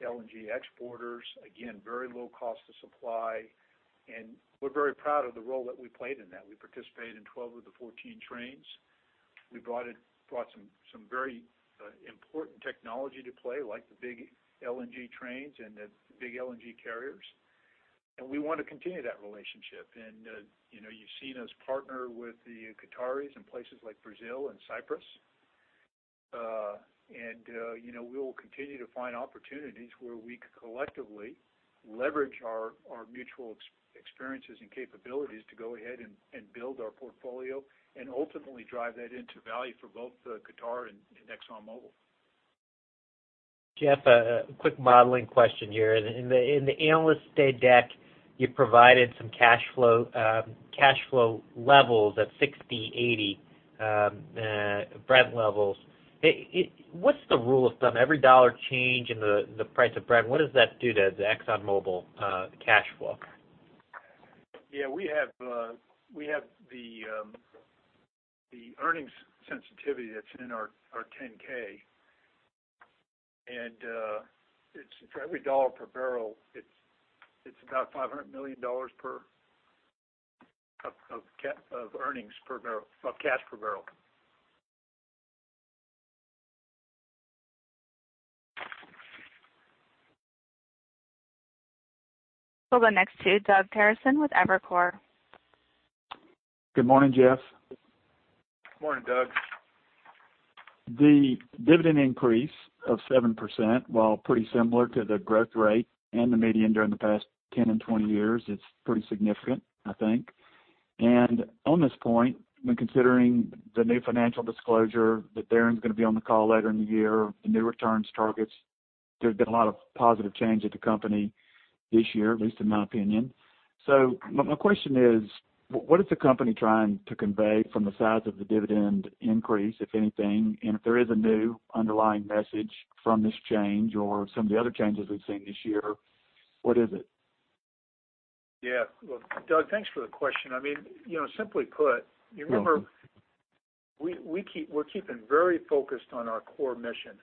LNG exporters, again, very low cost to supply, and we're very proud of the role that we played in that. We participated in 12 of the 14 trains. We brought some very important technology to play, like the big LNG trains and the big LNG carriers. We want to continue that relationship. You've seen us partner with the Qataris in places like Brazil and Cyprus. We will continue to find opportunities where we could collectively leverage our mutual experiences and capabilities to go ahead and build our portfolio and ultimately drive that into value for both Qatar and ExxonMobil. Jeff, a quick modeling question here. In the Analyst Day deck, you provided some cash flow levels at 60, 80 Brent levels. What's the rule of thumb? Every dollar change in the price of Brent, what does that do to the ExxonMobil cash flow? We have the earnings sensitivity that's in our 10-K, and for every dollar per barrel, it's about $500 million of cash per barrel. We'll go next to Doug Terreson with Evercore. Good morning, Jeff. Morning, Doug. The dividend increase of 7%, while pretty similar to the growth rate and the median during the past 10 and 20 years, it's pretty significant, I think. On this point, when considering the new financial disclosure that Darren's going to be on the call later in the year, the new returns targets, there's been a lot of positive change at the company this year, at least in my opinion. My question is, what is the company trying to convey from the size of the dividend increase, if anything? If there is a new underlying message from this change or some of the other changes we've seen this year, what is it? Well, Doug, thanks for the question. Simply put. You're welcome. Remember, we're keeping very focused on our core mission,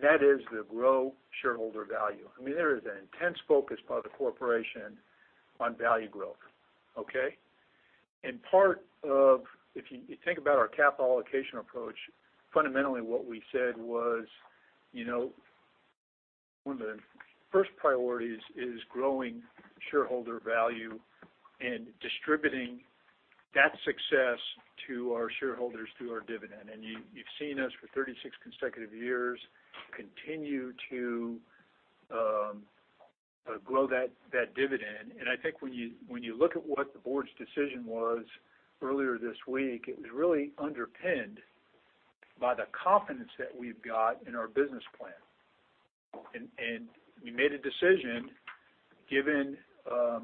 that is to grow shareholder value. There is an intense focus by the corporation on value growth. Okay. Part of if you think about our capital allocation approach, fundamentally what we said was one of the first priorities is growing shareholder value and distributing that success to our shareholders through our dividend. You've seen us for 36 consecutive years continue to grow that dividend. I think when you look at what the board's decision was earlier this week, it was really underpinned by the confidence that we've got in our business plan. We made a decision, given a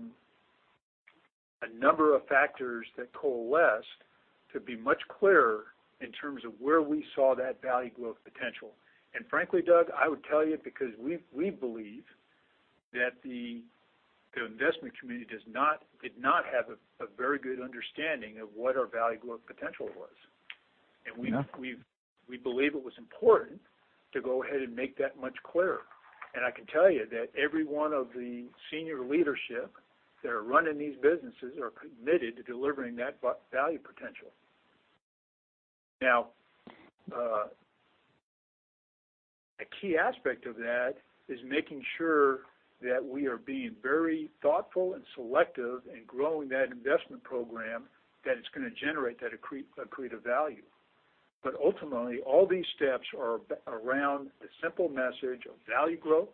number of factors that coalesced to be much clearer in terms of where we saw that value growth potential. Frankly, Doug, I would tell you because we believe that the investment community did not have a very good understanding of what our value growth potential was. Yeah. We believe it was important to go ahead and make that much clearer. I can tell you that every one of the senior leadership that are running these businesses are committed to delivering that value potential. Now, a key aspect of that is making sure that we are being very thoughtful and selective in growing that investment program, that it's going to generate that accretive value. Ultimately, all these steps are around the simple message of value growth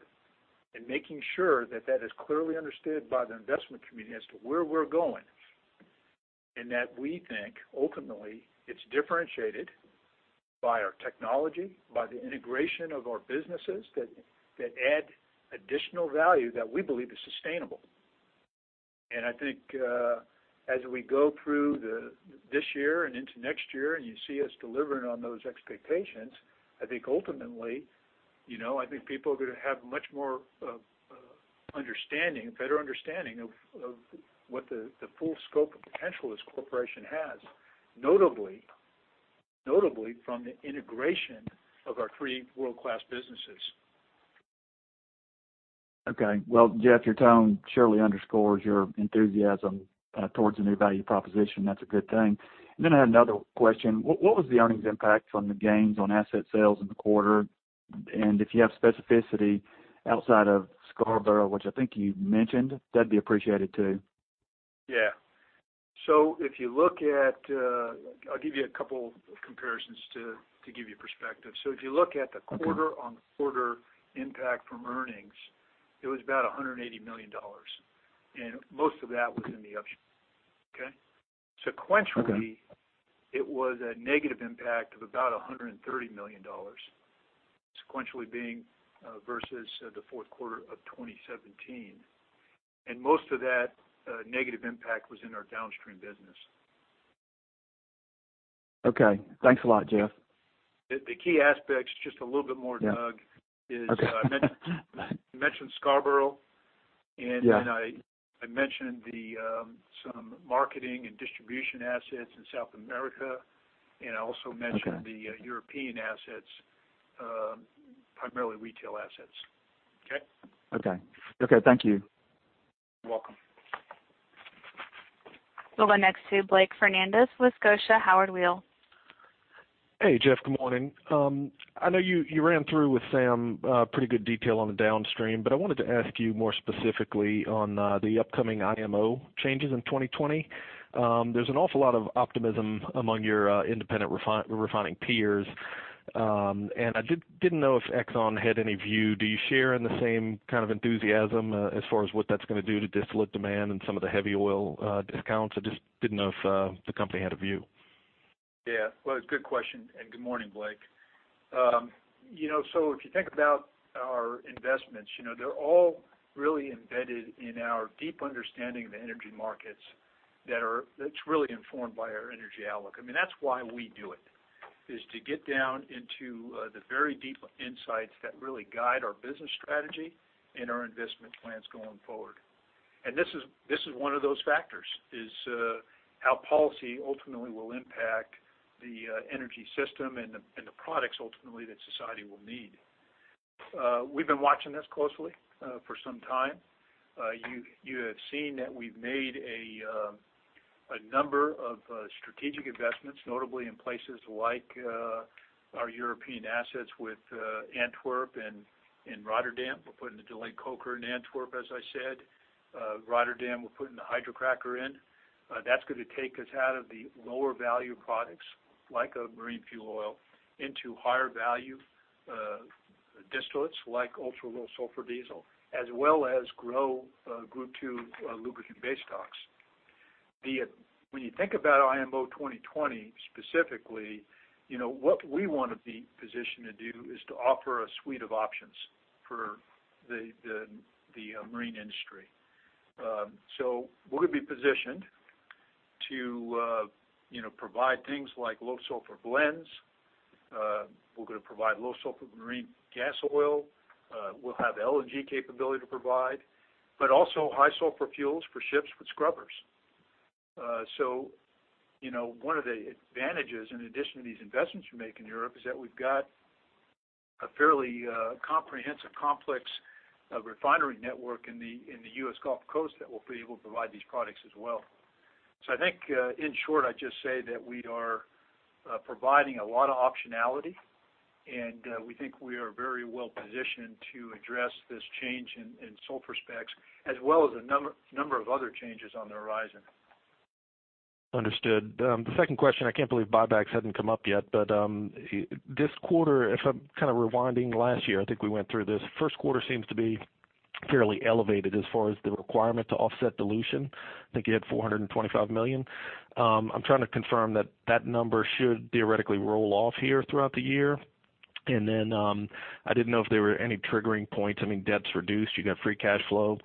and making sure that that is clearly understood by the investment community as to where we're going. That we think ultimately it's differentiated by our technology, by the integration of our businesses that add additional value that we believe is sustainable. I think as we go through this year and into next year, and you see us delivering on those expectations, I think ultimately, people are going to have a much more understanding, a better understanding of what the full scope of potential this corporation has. Notably, from the integration of our three world-class businesses. Okay. Well, Jeff, your tone surely underscores your enthusiasm towards the new value proposition. That's a good thing. I had another question. What was the earnings impact from the gains on asset sales in the quarter? If you have specificity outside of Scarborough, which I think you mentioned, that'd be appreciated too. Yeah. I'll give you a couple of comparisons to give you perspective. If you look at the quarter-on-quarter impact from earnings, it was about $180 million. Most of that was in the upstream. Okay? Okay it was a negative impact of about $130 million. Sequentially being versus the fourth quarter of 2017. Most of that negative impact was in our downstream business. Okay. Thanks a lot, Jeff. The key aspects, just a little bit more, Doug. Yeah. Okay. I mentioned Scarborough, and then I mentioned some marketing and distribution assets in South America, and I also mentioned the European assets, primarily retail assets. Okay? Okay. Thank you. You're welcome. We'll go next to Blake Fernandez with Scotiabank Howard Weil. Hey, Jeff. Good morning. I know you ran through with Sam pretty good detail on the downstream, but I wanted to ask you more specifically on the upcoming IMO changes in 2020. There's an awful lot of optimism among your independent refining peers. I didn't know if Exxon had any view. Do you share in the same kind of enthusiasm as far as what that's going to do to distillate demand and some of the heavy oil discounts? I just didn't know if the company had a view. Well, it's a good question, and good morning, Blake. If you think about our investments, they're all really embedded in our deep understanding of the energy markets that's really informed by our energy outlook. I mean, that's why we do it, is to get down into the very deep insights that really guide our business strategy and our investment plans going forward. This is one of those factors, is how policy ultimately will impact the energy system and the products ultimately that society will need. We've been watching this closely for some time. You have seen that we've made a number of strategic investments, notably in places like our European assets with Antwerp and Rotterdam. We're putting the delayed coker in Antwerp, as I said. Rotterdam, we're putting the hydrocracker in. That's going to take us out of the lower value products, like a marine fuel oil, into higher value distillates like ultra-low sulfur diesel, as well as grow Group II lubricant base stocks. When you think about IMO 2020 specifically, what we want to be positioned to do is to offer a suite of options for the marine industry. We're going to be positioned to provide things like low sulfur blends. We're going to provide low sulfur marine gas oil. We'll have LNG capability to provide, but also high sulfur fuels for ships with scrubbers. One of the advantages in addition to these investments we make in Europe is that we've got a fairly comprehensive complex refinery network in the U.S. Gulf Coast that will be able to provide these products as well. I think in short, I'd just say that we are providing a lot of optionality, and we think we are very well positioned to address this change in sulfur specs as well as a number of other changes on the horizon. Understood. The second question, I can't believe buybacks hadn't come up yet. This quarter, if I'm kind of rewinding last year, I think we went through this. First quarter seems to be fairly elevated as far as the requirement to offset dilution. I think you had $425 million. I'm trying to confirm that that number should theoretically roll off here throughout the year. I didn't know if there were any triggering points. I mean, debt's reduced, you got free cash flow.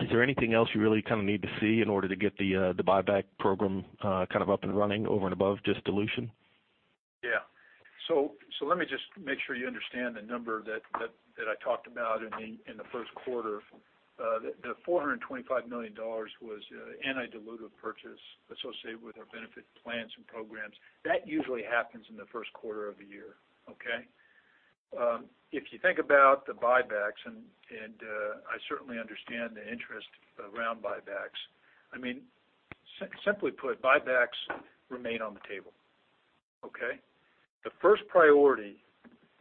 Is there anything else you really need to see in order to get the buyback program up and running over and above just dilution? Yeah. Let me just make sure you understand the number that I talked about in the first quarter. The $425 million was anti-dilutive purchase associated with our benefit plans and programs. That usually happens in the first quarter of the year. Okay? If you think about the buybacks, I certainly understand the interest around buybacks. I mean, simply put, buybacks remain on the table. Okay? The first priority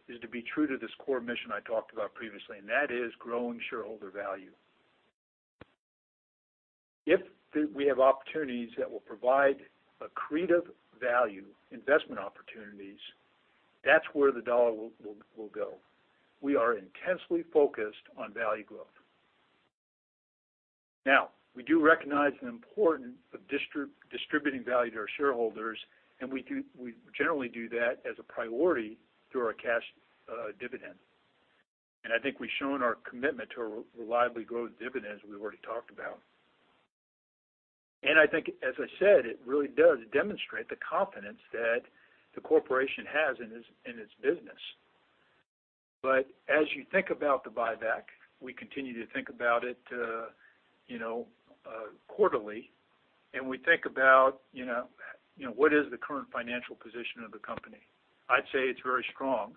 is to be true to this core mission I talked about previously, that is growing shareholder value. If we have opportunities that will provide accretive value investment opportunities, that's where the dollar will go. We are intensely focused on value growth. Now, we do recognize the importance of distributing value to our shareholders. We generally do that as a priority through our cash dividend. I think we've shown our commitment to a reliably growth dividend, as we've already talked about. I think, as I said, it really does demonstrate the confidence that the corporation has in its business. As you think about the buyback, we continue to think about it quarterly. We think about what is the current financial position of the company. I'd say it's very strong.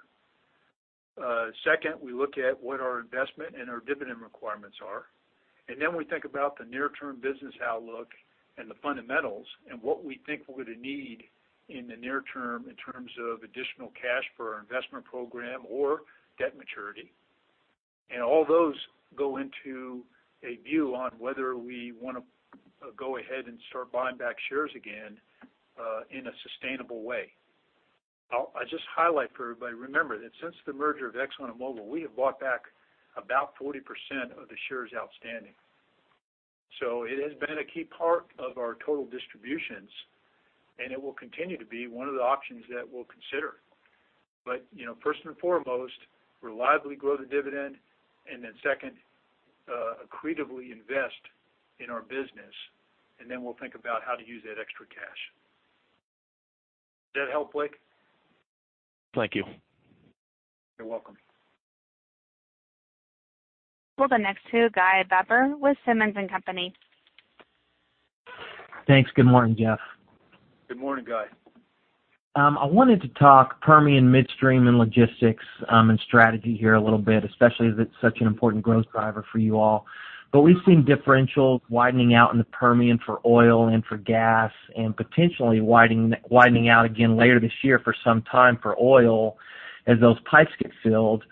Second, we look at what our investment and our dividend requirements are. We think about the near-term business outlook and the fundamentals and what we think we're going to need in the near term in terms of additional cash for our investment program or debt maturity. All those go into a view on whether we want to go ahead and start buying back shares again, in a sustainable way. I'll just highlight for everybody, remember that since the merger of Exxon and Mobil, we have bought back about 40% of the shares outstanding. It has been a key part of our total distributions. It will continue to be one of the options that we'll consider. First and foremost, reliably grow the dividend. Second, accretively invest in our business. We'll think about how to use that extra cash. Did that help, Blake? Thank you. You're welcome. We'll go next to Guy Baber with Simmons & Company. Thanks. Good morning, Jeff. Good morning, Guy. I wanted to talk Permian midstream and logistics, and strategy here a little bit, especially as it's such an important growth driver for you all. We've seen differentials widening out in the Permian for oil and for gas and potentially widening out again later this year for some time for oil as those pipes get filled.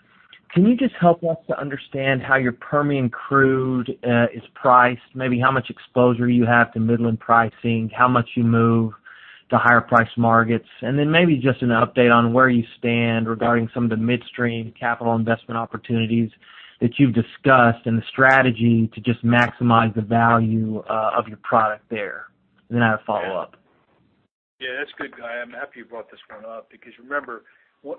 Can you just help us to understand how your Permian crude is priced, maybe how much exposure you have to Midland pricing, how much you move to higher priced markets? Maybe just an update on where you stand regarding some of the midstream capital investment opportunities that you've discussed and the strategy to just maximize the value of your product there. I have a follow-up. Yeah, that's good, Guy. I'm happy you brought this one up because remember, the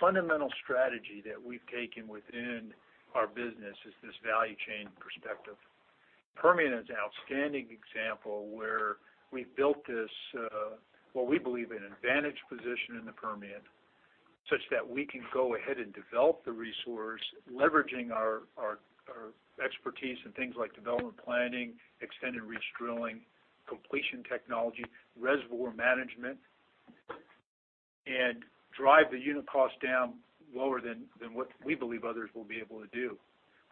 fundamental strategy that we've taken within our business is this value chain perspective. Permian is an outstanding example where we've built this, what we believe, an advantage position in the Permian, such that we can go ahead and develop the resource, leveraging our expertise in things like development planning, extended reach drilling, completion technology, reservoir management, and drive the unit cost down lower than what we believe others will be able to do.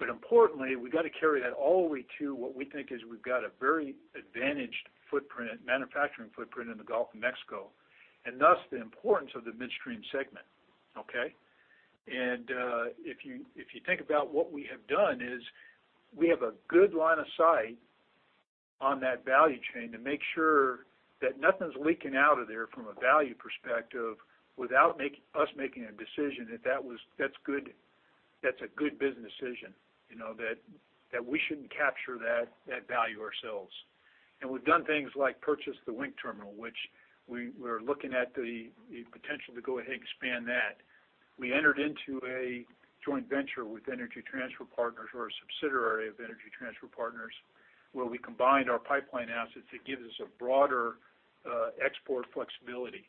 Importantly, we've got to carry that all the way to what we think is we've got a very advantaged footprint, manufacturing footprint in the Gulf of Mexico, and thus the importance of the midstream segment. Okay? If you think about what we have done is we have a good line of sight on that value chain to make sure that nothing's leaking out of there from a value perspective without us making a decision that that's a good business decision. That we shouldn't capture that value ourselves. We've done things like purchase the Wink Terminal, which we're looking at the potential to go ahead and expand that. We entered into a joint venture with Energy Transfer Partners or a subsidiary of Energy Transfer Partners, where we combined our pipeline assets. It gives us a broader export flexibility.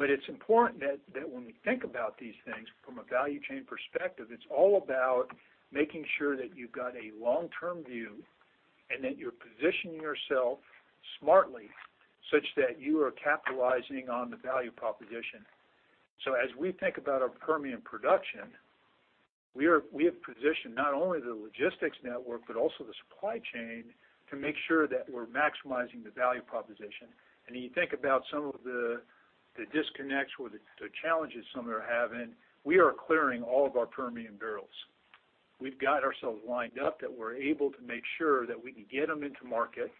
It's important that when we think about these things from a value chain perspective, it's all about making sure that you've got a long-term view and that you're positioning yourself smartly such that you are capitalizing on the value proposition. As we think about our Permian production, we have positioned not only the logistics network, but also the supply chain to make sure that we're maximizing the value proposition. You think about some of the disconnects or the challenges some are having, we are clearing all of our Permian barrels. We've got ourselves lined up that we're able to make sure that we can get them into market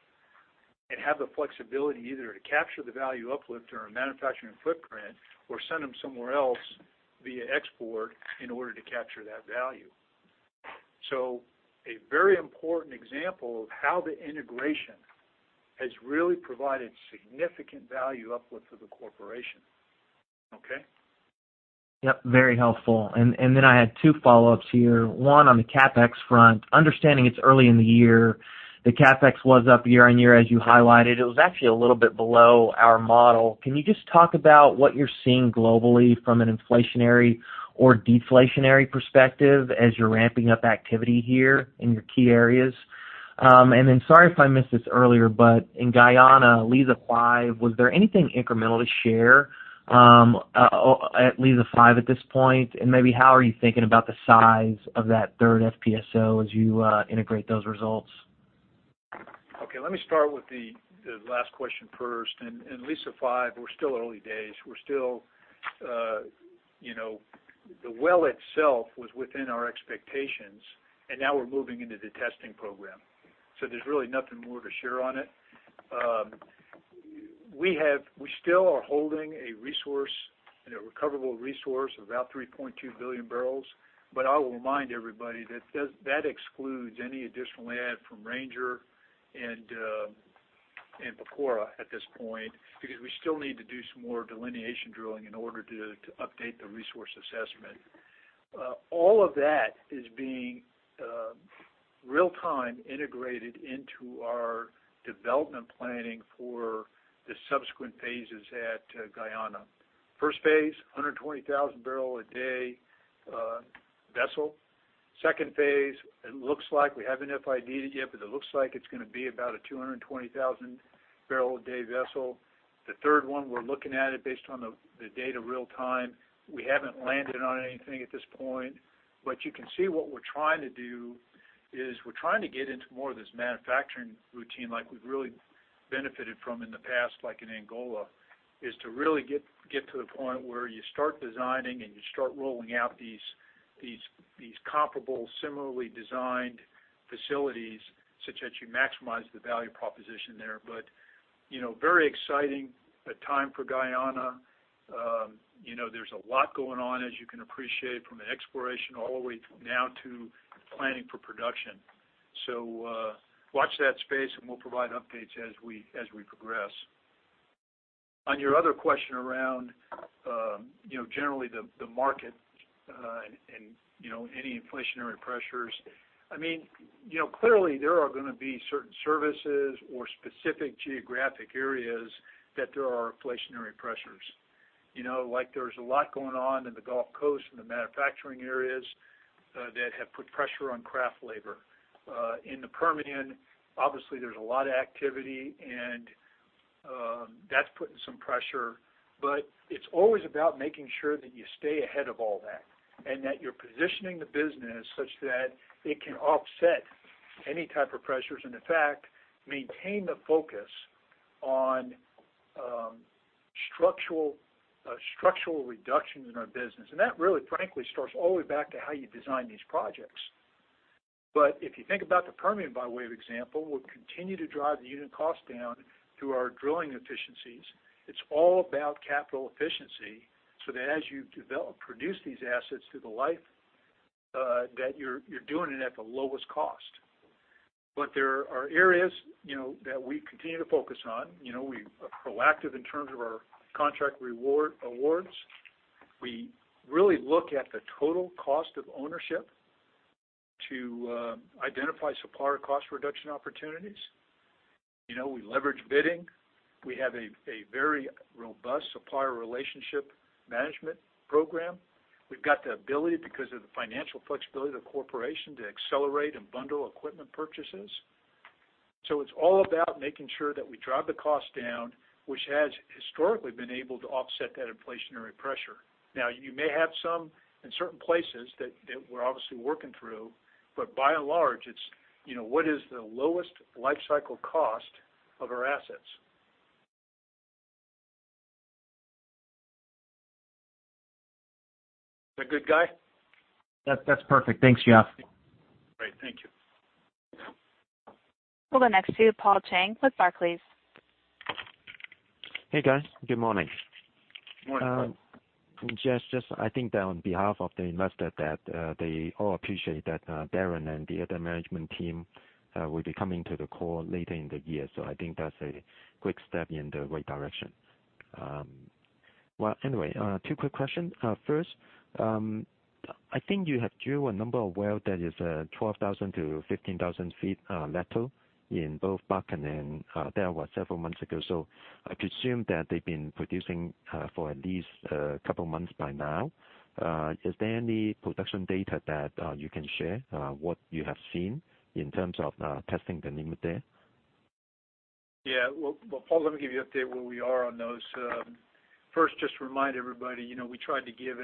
and have the flexibility either to capture the value uplift or our manufacturing footprint, or send them somewhere else via export in order to capture that value. A very important example of how the integration has really provided significant value uplift for the corporation. Okay? Yep, very helpful. I had two follow-ups here. One on the CapEx front. Understanding it's early in the year, the CapEx was up year-on-year as you highlighted. It was actually a little bit below our model. Can you just talk about what you're seeing globally from an inflationary or deflationary perspective as you're ramping up activity here in your key areas? Sorry if I missed this earlier, but in Guyana, Liza 5, was there anything incremental to share at Liza 5 at this point? Maybe how are you thinking about the size of that third FPSO as you integrate those results? Okay. Let me start with the last question first. In Liza 5, we're still early days. The well itself was within our expectations, now we're moving into the testing program. There's really nothing more to share on it. We still are holding a recoverable resource of about 3.2 billion barrels. I will remind everybody that excludes any additional add from Ranger and Pacora at this point, because we still need to do some more delineation drilling in order to update the resource assessment. All of that is being real-time integrated into our development planning for the subsequent phases at Guyana. First phase, 120,000 barrel a day vessel. Second phase, we haven't FID'd it yet, but it looks like it's going to be about a 220,000 barrel a day vessel. The third one, we're looking at it based on the data real-time. We haven't landed on anything at this point. You can see what we're trying to do is we're trying to get into more of this manufacturing routine like we've really benefited from in the past, like in Angola. Is to really get to the point where you start designing and you start rolling out these comparable, similarly designed facilities such that you maximize the value proposition there. Very exciting time for Guyana. There's a lot going on as you can appreciate from an exploration all the way now to planning for production. Watch that space, and we'll provide updates as we progress. On your other question around generally the market and any inflationary pressures. Clearly there are going to be certain services or specific geographic areas that there are inflationary pressures. There's a lot going on in the Gulf Coast, in the manufacturing areas that have put pressure on craft labor. In the Permian, obviously there's a lot of activity, and that's putting some pressure. It's always about making sure that you stay ahead of all that, and that you're positioning the business such that it can offset any type of pressures. In fact, maintain the focus on structural reductions in our business. That really, frankly, starts all the way back to how you design these projects. If you think about the Permian by way of example, we'll continue to drive the unit cost down through our drilling efficiencies. It's all about capital efficiency, so that as you produce these assets through the life, that you're doing it at the lowest cost. There are areas that we continue to focus on. We're proactive in terms of our contract awards. We really look at the total cost of ownership to identify supplier cost reduction opportunities. We leverage bidding. We have a very robust supplier relationship management program. We've got the ability, because of the financial flexibility of the corporation, to accelerate and bundle equipment purchases. It's all about making sure that we drive the cost down, which has historically been able to offset that inflationary pressure. Now, you may have some in certain places that we're obviously working through, but by and large, it's what is the lowest life cycle cost of our assets. Is that good, Guy? That's perfect. Thanks, Jeff. Great. Thank you. We'll go next to Paul Cheng with Barclays. Hey, guys. Good morning. Good morning, Paul. Just I think that on behalf of the investor that they all appreciate that Darren and the other management team will be coming to the call later in the year. I think that's a quick step in the right direction. Well, anyway, two quick questions. First, I think you have drilled a number of wells that is 12,000 to 15,000 feet lateral in both Bakken, and that was several months ago. I presume that they've been producing for at least a couple of months by now. Is there any production data that you can share what you have seen in terms of testing the limit there? Yeah. Well, Paul, let me give you an update where we are on those. First, just to remind everybody, we tried to give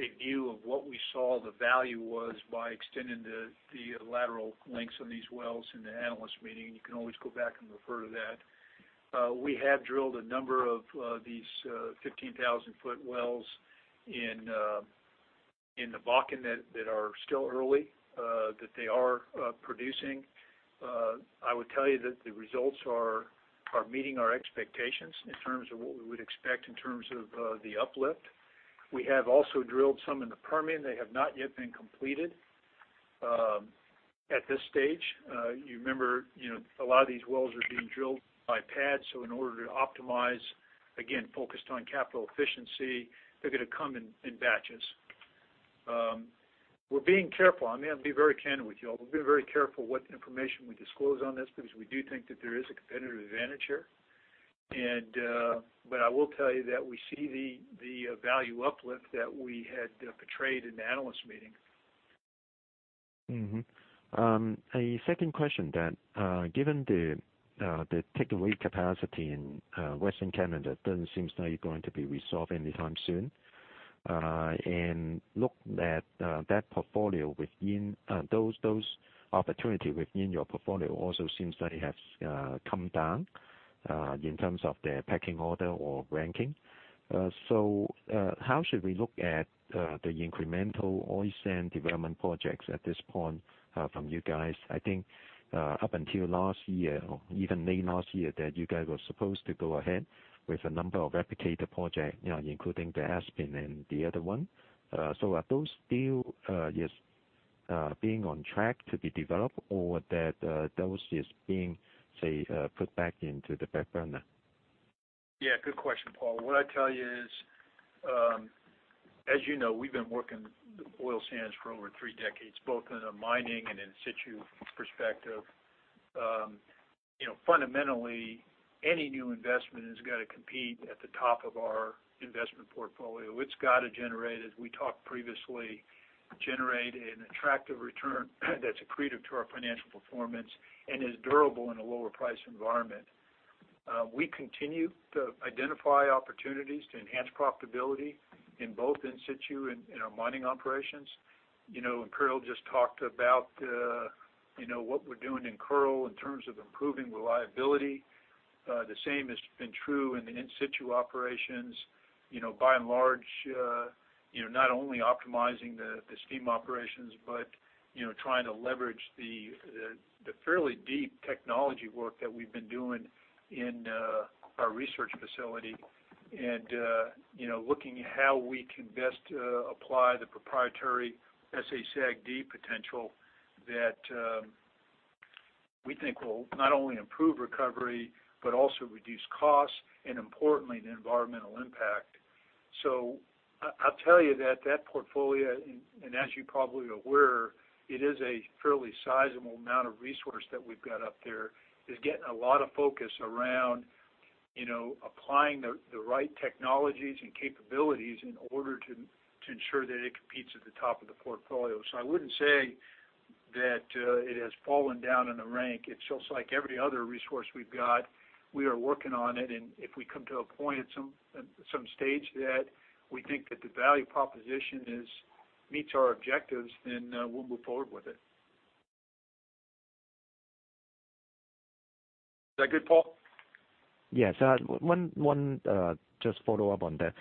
a view of what we saw the value was by extending the lateral lengths on these wells in the analyst meeting, and you can always go back and refer to that. We have drilled a number of these 15,000-foot wells in the Bakken that are still early, that they are producing. I would tell you that the results are meeting our expectations in terms of what we would expect in terms of the uplift. We have also drilled some in the Permian. They have not yet been completed at this stage. You remember, a lot of these wells are being drilled by pad. In order to optimize, again, focused on capital efficiency, they're going to come in batches. We're being careful. I'm going to be very candid with you all. We're being very careful what information we disclose on this because we do think that there is a competitive advantage here. I will tell you that we see the value uplift that we had portrayed in the analyst meeting. A second question then. Given the takeaway capacity in Western Canada doesn't seem like it's going to be resolved anytime soon. Looking at those opportunity within your portfolio also seems like it has come down in terms of the pecking order or ranking. How should we look at the incremental oil sands development projects at this point from you guys? I think up until last year, or even late last year, that you guys were supposed to go ahead with a number of replicator project, including the Aspen and the other one. Are those still being on track to be developed or that those just being, say, put back into the back burner? Yeah, good question, Paul. What I'd tell you is, as you know, we've been working oil sands for over three decades, both in a mining and in situ perspective. Fundamentally, any new investment has got to compete at the top of our investment portfolio. It's got to generate, as we talked previously, generate an attractive return that's accretive to our financial performance and is durable in a lower price environment. We continue to identify opportunities to enhance profitability in both in situ and our mining operations. Kearl just talked about what we're doing in Kearl in terms of improving reliability. The same has been true in the in situ operations. By and large, not only optimizing the steam operations but trying to leverage the fairly deep technology work that we've been doing in our research facility and looking how we can best apply the proprietary SA-SAGD potential that we think will not only improve recovery, but also reduce costs and importantly, the environmental impact. I'll tell you that that portfolio, and as you probably are aware, it is a fairly sizable amount of resource that we've got up there, is getting a lot of focus around applying the right technologies and capabilities in order to ensure that it competes at the top of the portfolio. I wouldn't say that it has fallen down in the rank. It's just like every other resource we've got. We are working on it, if we come to a point at some stage that we think that the value proposition meets our objectives, we'll move forward with it. Is that good, Paul? Yes. One just follow up on that.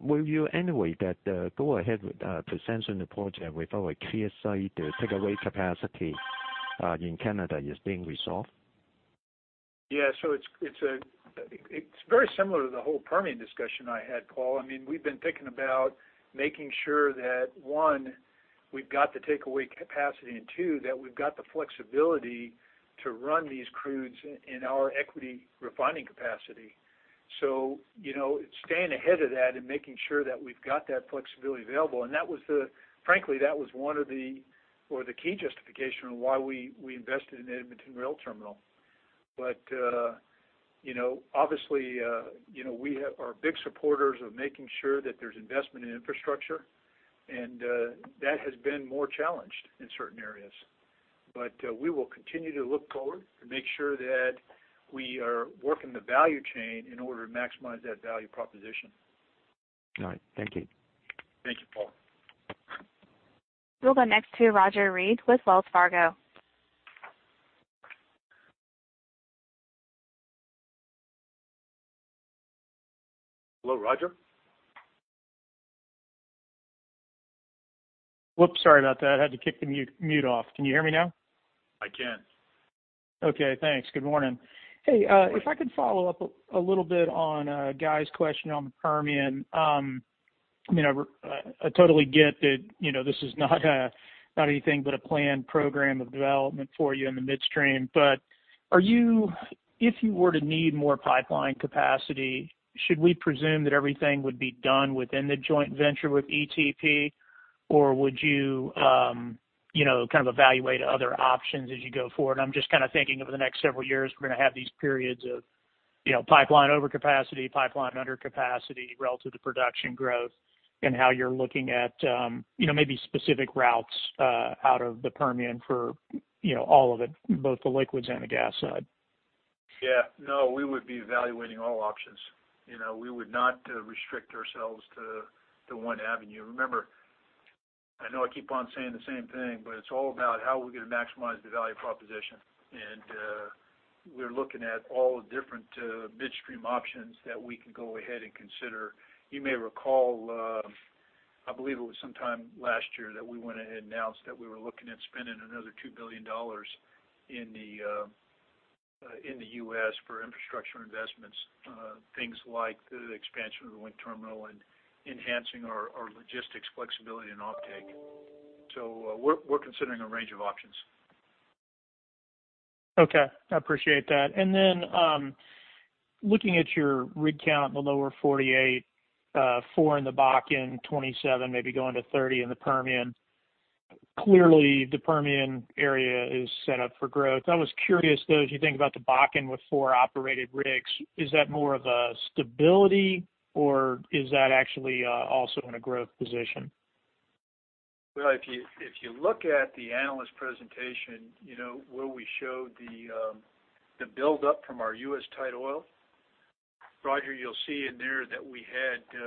Will you anyway that go ahead with presenting the project with our clear sight to take away capacity in Canada is being resolved? Yeah. It's very similar to the whole Permian discussion I had, Paul. We've been thinking about making sure that, one, we've got the takeaway capacity, and two, that we've got the flexibility to run these crudes in our equity refining capacity. Staying ahead of that and making sure that we've got that flexibility available. Frankly, that was one of the key justification on why we invested in Edmonton Rail Terminal. Obviously, we are big supporters of making sure that there's investment in infrastructure, and that has been more challenged in certain areas. We will continue to look forward to make sure that we are working the value chain in order to maximize that value proposition. All right. Thank you. Thank you, Paul. We'll go next to Roger Read with Wells Fargo. Hello, Roger. Whoops. Sorry about that. I had to kick the mute off. Can you hear me now? I can. Okay, thanks. Good morning. If I could follow up a little bit on Guy's question on the Permian. I totally get that this is not anything but a planned program of development for you in the midstream. If you were to need more pipeline capacity, should we presume that everything would be done within the joint venture with ETP, or would you evaluate other options as you go forward? I'm just thinking over the next several years, we're going to have these periods of pipeline overcapacity, pipeline under capacity relative to production growth and how you're looking at maybe specific routes out of the Permian for all of it, both the liquids and the gas side. No, we would be evaluating all options. We would not restrict ourselves to one avenue. Remember, I know I keep on saying the same thing, it's all about how are we going to maximize the value proposition. We're looking at all the different midstream options that we can go ahead and consider. You may recall, I believe it was sometime last year, that we went ahead and announced that we were looking at spending another $2 billion in the U.S. for infrastructure investments. Things like the expansion of the Wink Terminal and enhancing our logistics flexibility and offtake. We're considering a range of options. Okay. I appreciate that. Looking at your rig count in the lower 48, four in the Bakken, 27 maybe going to 30 in the Permian. Clearly, the Permian area is set up for growth. I was curious, though, as you think about the Bakken with four operated rigs, is that more of a stability or is that actually also in a growth position? If you look at the analyst presentation where we showed the buildup from our U.S. tight oil, Roger, you'll see in there that we had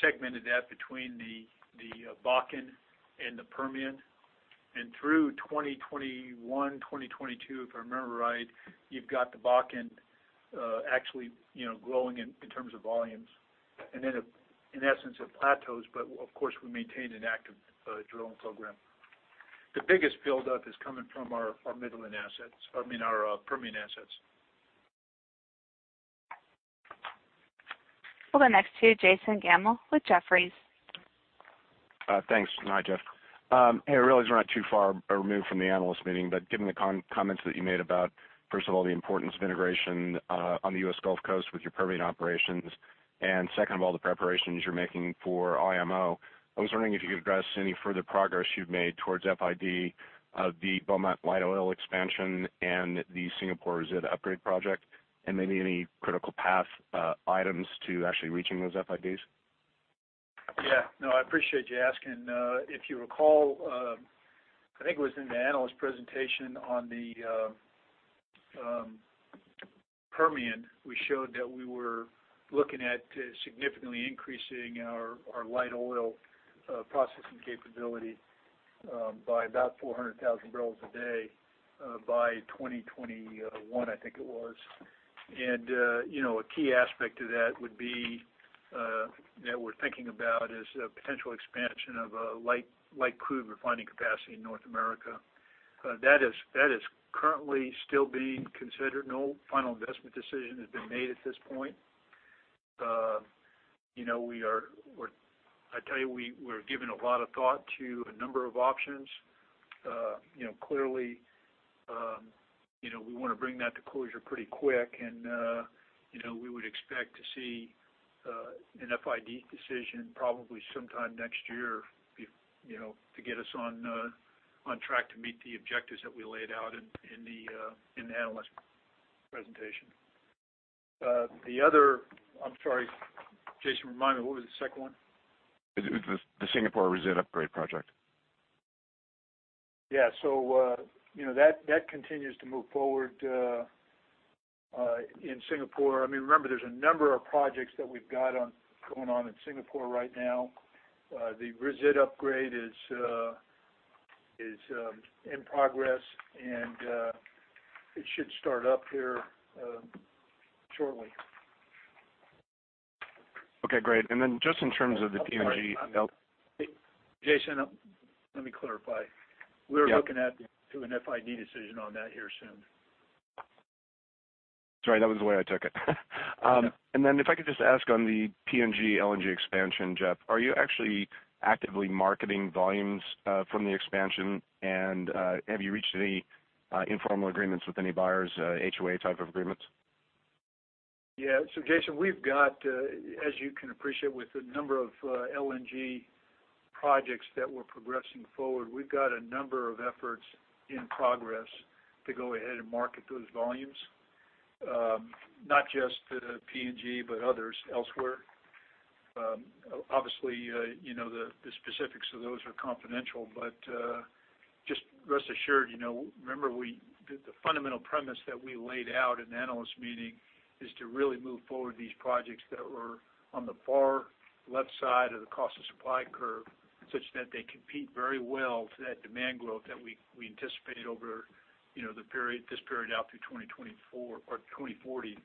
segmented that between the Bakken and the Permian. Through 2021, 2022, if I remember right, you've got the Bakken actually growing in terms of volumes. Then in essence it plateaus, but of course, we maintain an active drilling program. The biggest buildup is coming from our Permian assets. We'll go next to Jason Gammel with Jefferies. Thanks. Hi, Jeff. I realize we're not too far removed from the analyst meeting, but given the comments that you made about, first of all, the importance of integration on the U.S. Gulf Coast with your Permian operations, second of all, the preparations you're making for IMO, I was wondering if you could address any further progress you've made towards FID of the Beaumont light oil expansion and the Singapore resid upgrade project, and maybe any critical path items to actually reaching those FIDs. I appreciate you asking. If you recall, I think it was in the analyst presentation on the Permian, we showed that we were looking at significantly increasing our light oil processing capability by about 400,000 barrels a day by 2021, I think it was. A key aspect of that that we're thinking about is a potential expansion of a light crude refining capacity in North America. That is currently still being considered. No final investment decision has been made at this point. I tell you, we're giving a lot of thought to a number of options. Clearly, we want to bring that to closure pretty quick, and we would expect to see an FID decision probably sometime next year to get us on track to meet the objectives that we laid out in the analyst presentation. I'm sorry, Jason, remind me, what was the second one? The Singapore resid upgrade project. Yeah. That continues to move forward in Singapore. Remember there's a number of projects that we've got going on in Singapore right now. The resid upgrade is in progress, and it should start up here shortly. Okay, great. Then just in terms of the PNG- I'm sorry. Jason, let me clarify. Yep. We're looking at doing an FID decision on that here soon. Sorry, that wasn't the way I took it. Then if I could just ask on the PNG LNG expansion, Jeff, are you actually actively marketing volumes from the expansion, and have you reached any informal agreements with any buyers, HOA type of agreements? Jason, as you can appreciate with the number of LNG projects that we're progressing forward, we've got a number of efforts in progress to go ahead and market those volumes, not just to PNG, but others elsewhere. The specifics of those are confidential, but just rest assured, remember the fundamental premise that we laid out in the analyst meeting is to really move forward these projects that were on the far left side of the cost of supply curve, such that they compete very well to that demand growth that we anticipated over this period out through 2040.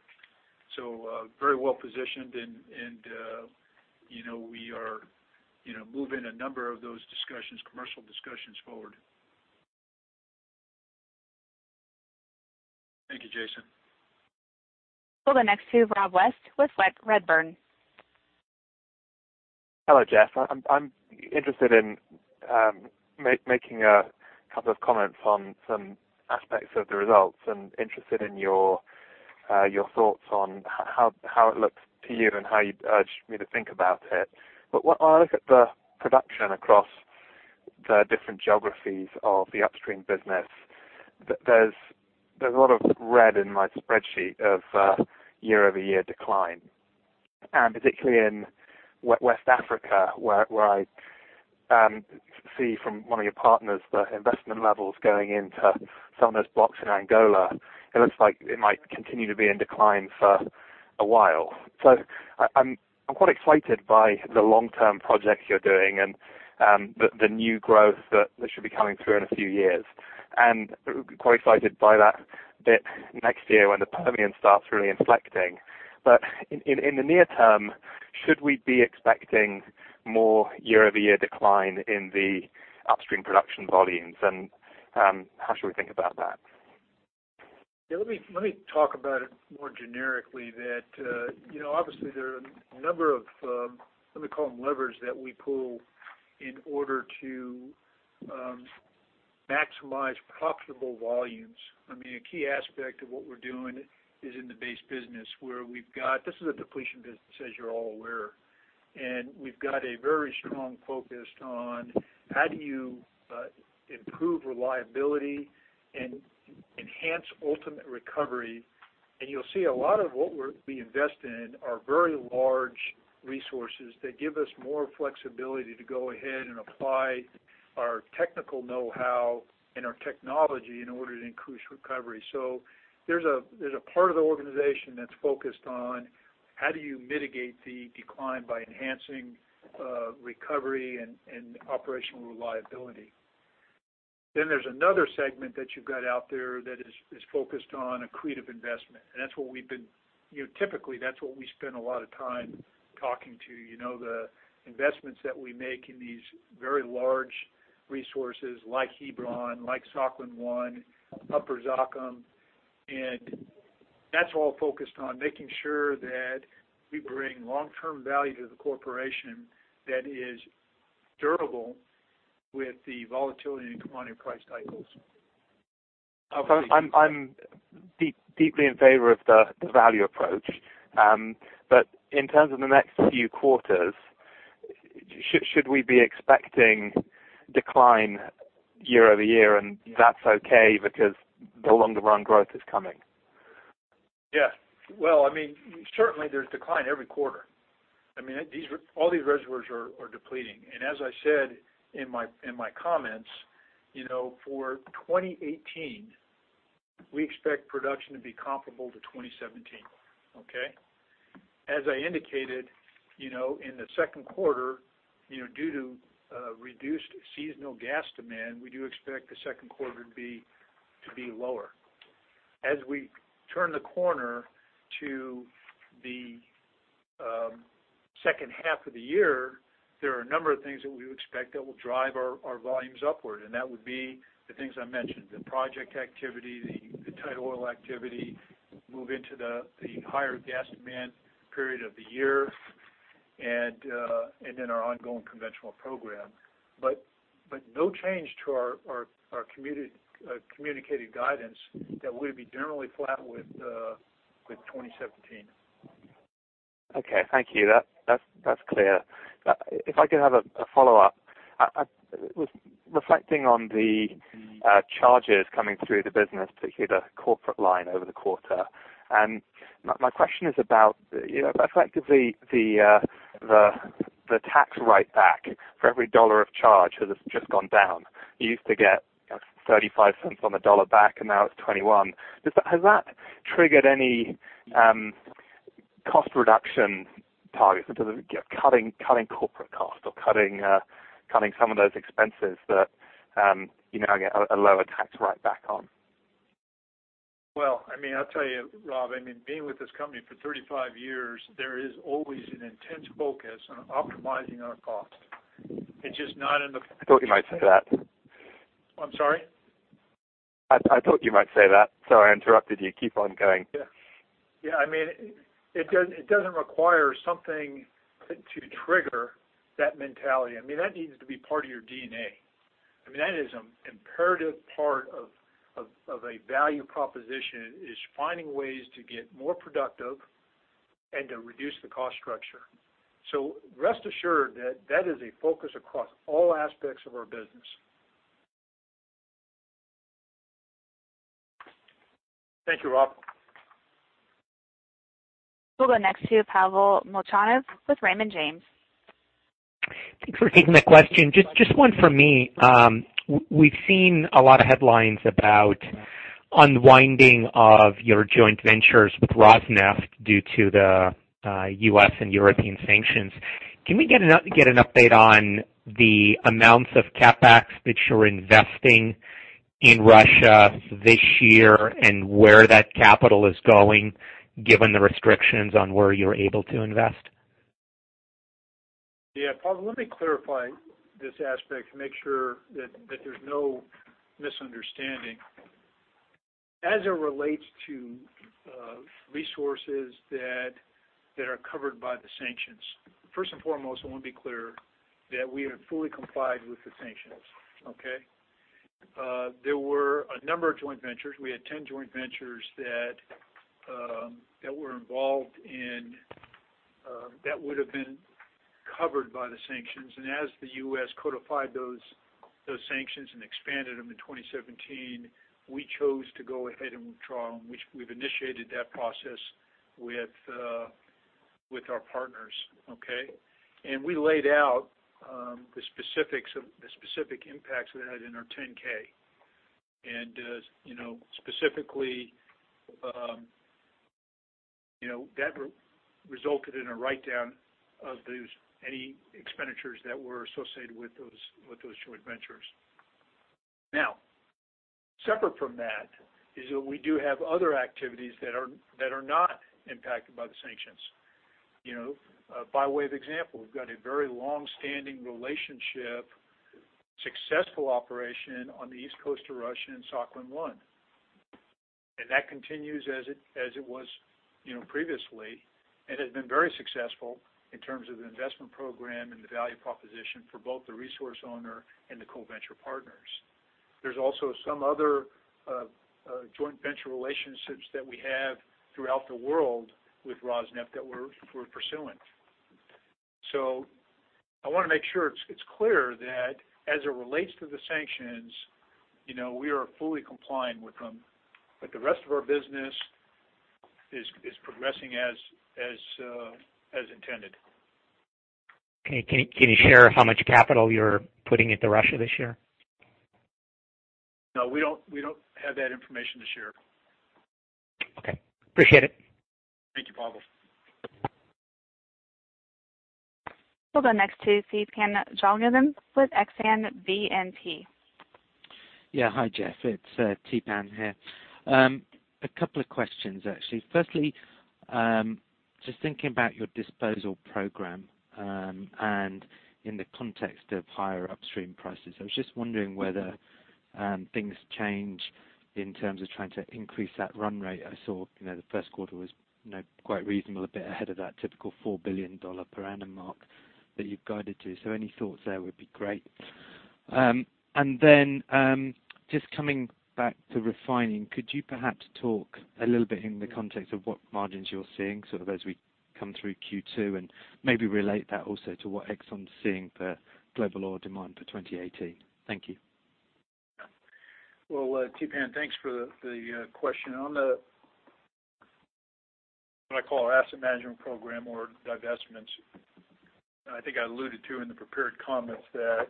Very well positioned, and we are moving a number of those commercial discussions forward. Thank you, Jason. We'll go next to Rob West with Redburn. Hello, Jeff. I'm interested in making a couple of comments on some aspects of the results, and interested in your thoughts on how it looks to you and how you'd urge me to think about it. When I look at the production across the different geographies of the upstream business, there's a lot of red in my spreadsheet of year-over-year decline. Particularly in West Africa, where I see from one of your partners the investment levels going into some of those blocks in Angola. It looks like it might continue to be in decline for a while. I'm quite excited by the long-term projects you're doing and the new growth that should be coming through in a few years, and quite excited by that bit next year when the Permian starts really inflecting. In the near term, should we be expecting more year-over-year decline in the upstream production volumes? How should we think about that? Let me talk about it more generically that obviously there are a number of, let me call them levers that we pull in order to maximize profitable volumes. A key aspect of what we're doing is in the base business where this is a depletion business, as you're all aware. We've got a very strong focus on how do you improve reliability and enhance ultimate recovery. You'll see a lot of what we invest in are very large resources that give us more flexibility to go ahead and apply our technical know-how and our technology in order to increase recovery. There's a part of the organization that's focused on how do you mitigate the decline by enhancing recovery and operational reliability. There's another segment that you've got out there that is focused on accretive investment, and typically that's what we spend a lot of time talking to. The investments that we make in these very large resources like Hebron, like Sakhalin-1, Upper Zakum. That's all focused on making sure that we bring long-term value to the corporation that is durable with the volatility in commodity price cycles. I'm deeply in favor of the value approach. In terms of the next few quarters, should we be expecting decline year-over-year, and that's okay because the longer run growth is coming? Certainly there's decline every quarter. All these reservoirs are depleting. As I said in my comments, for 2018, we expect production to be comparable to 2017. As I indicated, in the second quarter, due to reduced seasonal gas demand, we do expect the second quarter to be lower. As we turn the corner to the second half of the year, there are a number of things that we would expect that will drive our volumes upward, and that would be the things I mentioned, the project activity, the tight oil activity, move into the higher gas demand period of the year, and then our ongoing conventional program. No change to our communicated guidance that we'll be generally flat with 2017. Okay. Thank you. That's clear. If I could have a follow-up. Reflecting on the charges coming through the business, particularly the corporate line over the quarter. My question is about, effectively the tax write-back for every dollar of charge has just gone down. You used to get $0.35 on the dollar back, and now it's $0.21. Has that triggered any cost reduction targets in terms of cutting corporate cost or cutting some of those expenses that I get a lower tax write-back on? Well, I'll tell you, Rob, being with this company for 35 years, there is always an intense focus on optimizing our cost. It's just not in the- I thought you might say that. I'm sorry? I thought you might say that. I interrupted you. Keep on going. Yeah. It doesn't require something to trigger that mentality. That needs to be part of your DNA. That is an imperative part of a value proposition, is finding ways to get more productive and to reduce the cost structure. Rest assured that that is a focus across all aspects of our business. Thank you, Rob. We'll go next to Pavel Molchanov with Raymond James. Thanks for taking the question. Just one from me. We've seen a lot of headlines about unwinding of your joint ventures with Rosneft due to the U.S. and European sanctions. Can we get an update on the amounts of CapEx that you're investing in Russia this year and where that capital is going, given the restrictions on where you're able to invest? Yeah. Pavel, let me clarify this aspect to make sure that there's no misunderstanding. As it relates to resources that are covered by the sanctions. First and foremost, I want to be clear that we are in fully complied with the sanctions. Okay. There were a number of joint ventures. We had 10 joint ventures that were involved in that would've been covered by the sanctions. As the U.S. codified those sanctions and expanded them in 2017, we chose to go ahead and withdraw, and we've initiated that process with our partners. Okay. We laid out the specific impacts of that in our 10-K. Specifically, that resulted in a write-down of any expenditures that were associated with those joint ventures. Separate from that, is that we do have other activities that are not impacted by the sanctions. By way of example, we've got a very long-standing relationship, successful operation on the east coast of Russia in Sakhalin-1. That continues as it was previously, and has been very successful in terms of the investment program and the value proposition for both the resource owner and the co-venture partners. There's also some other joint venture relationships that we have throughout the world with Rosneft that we're pursuing. I want to make sure it's clear that as it relates to the sanctions, we are fully complying with them, the rest of our business is progressing as intended. Can you share how much capital you're putting into Russia this year? No. We don't have that information to share. Okay. Appreciate it. Thank you, Pavel. We'll go next to Theepan Jothilingam with Exane BNP Paribas. Yeah. Hi, Jeff. It's Theepan here. A couple of questions, actually. Just thinking about your disposal program and in the context of higher upstream prices, I was just wondering whether things change in terms of trying to increase that run rate. I saw the first quarter was quite reasonable, a bit ahead of that typical $4 billion per annum mark that you've guided to. Any thoughts there would be great. Just coming back to refining, could you perhaps talk a little bit in the context of what margins you're seeing as we come through Q2, and maybe relate that also to what Exxon's seeing for global oil demand for 2018? Thank you. Well, Theepan, thanks for the question. On the, what I call our asset management program or divestments, I think I alluded to in the prepared comments that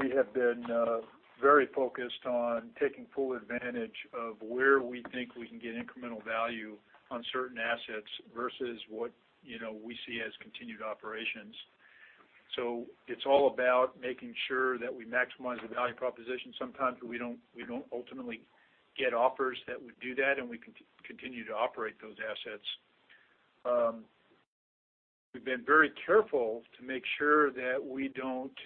we have been very focused on taking full advantage of where we think we can get incremental value on certain assets versus what we see as continued operations. It's all about making sure that we maximize the value proposition. Sometimes we don't ultimately get offers that would do that, and we continue to operate those assets. We've been very careful to make sure that we don't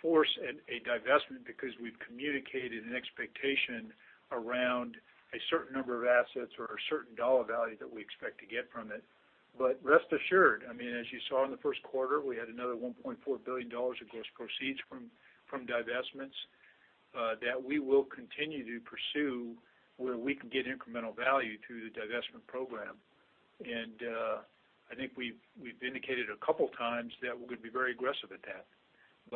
force a divestment because we've communicated an expectation around a certain number of assets or a certain dollar value that we expect to get from it. Rest assured, as you saw in the first quarter, we had another $1.4 billion of gross proceeds from divestments that we will continue to pursue where we can get incremental value through the divestment program. I think we've indicated a couple of times that we're going to be very aggressive at that,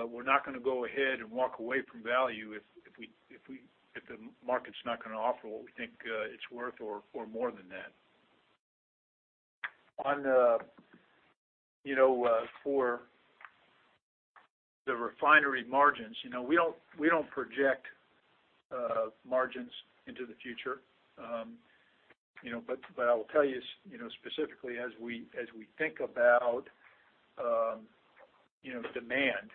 we're not going to go ahead and walk away from value if the market's not going to offer what we think it's worth or more than that. For the refinery margins, we don't project margins into the future. I will tell you specifically as we think about demand,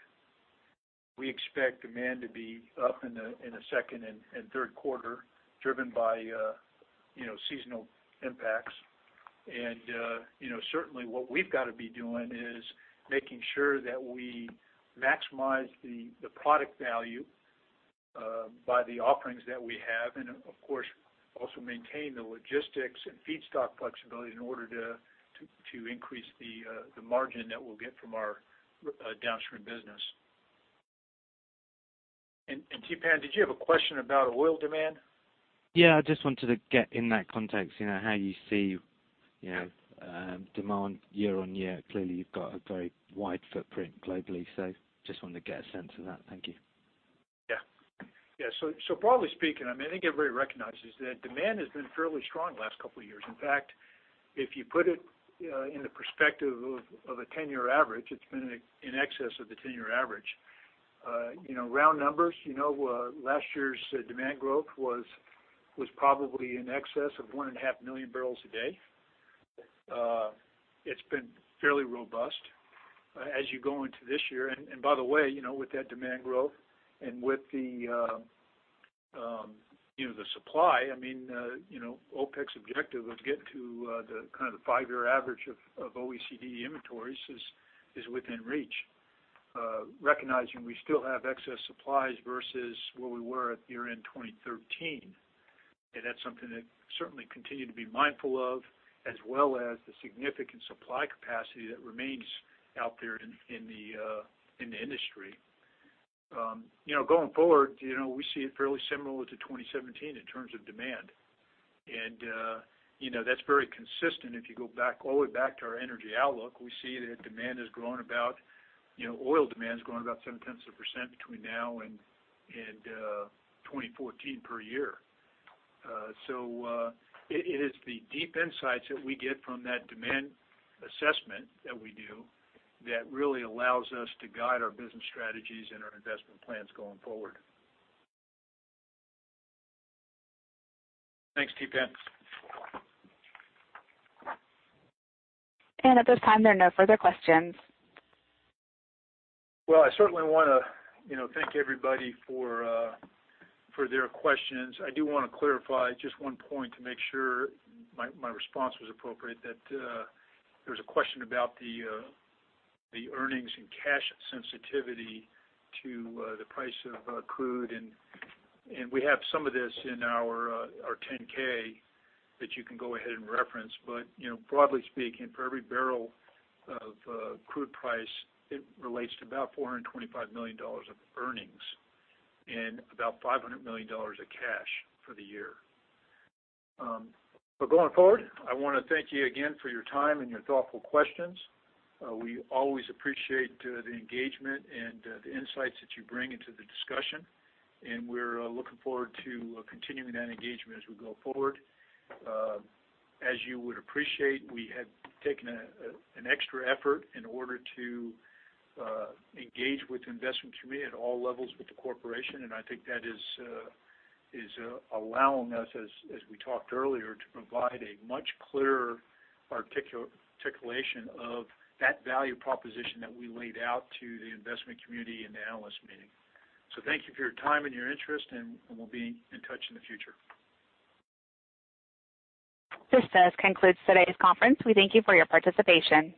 we expect demand to be up in the second and third quarter, driven by seasonal impacts. Certainly what we've got to be doing is making sure that we maximize the product value by the offerings that we have, and of course, also maintain the logistics and feedstock flexibility in order to increase the margin that we'll get from our downstream business. Theepan, did you have a question about oil demand? Yeah, I just wanted to get in that context how you see demand year-over-year. Clearly, you've got a very wide footprint globally, just wanted to get a sense of that. Thank you. Yeah. Broadly speaking, I think everybody recognizes that demand has been fairly strong the last couple of years. In fact, if you put it in the perspective of a 10-year average, it's been in excess of the 10-year average. Round numbers, last year's demand growth was probably in excess of 1.5 million barrels a day. It's been fairly robust as you go into this year. By the way, with that demand growth and with the supply, OPEC's objective of getting to the 5-year average of OECD inventories is within reach. Recognizing we still have excess supplies versus where we were at year-end 2013. That's something that we certainly continue to be mindful of, as well as the significant supply capacity that remains out there in the industry. Going forward, we see it fairly similar to 2017 in terms of demand. That's very consistent if you go back all the way back to our energy outlook, we see that oil demand has grown about 0.7% between now and 2040 per year. It is the deep insights that we get from that demand assessment that we do that really allows us to guide our business strategies and our investment plans going forward. Thanks, Theepan. At this time, there are no further questions. Well, I certainly want to thank everybody for their questions. I do want to clarify just one point to make sure my response was appropriate, that there was a question about the earnings and cash sensitivity to the price of crude. We have some of this in our 10-K that you can go ahead and reference. Broadly speaking, for every barrel of crude price, it relates to about $425 million of earnings and about $500 million of cash for the year. Going forward, I want to thank you again for your time and your thoughtful questions. We always appreciate the engagement and the insights that you bring into the discussion. We're looking forward to continuing that engagement as we go forward. As you would appreciate, we have taken an extra effort in order to engage with the investment community at all levels with the corporation. I think that is allowing us, as we talked earlier, to provide a much clearer articulation of that value proposition that we laid out to the investment community and the analyst meeting. Thank you for your time and your interest, and we'll be in touch in the future. This does conclude today's conference. We thank you for your participation.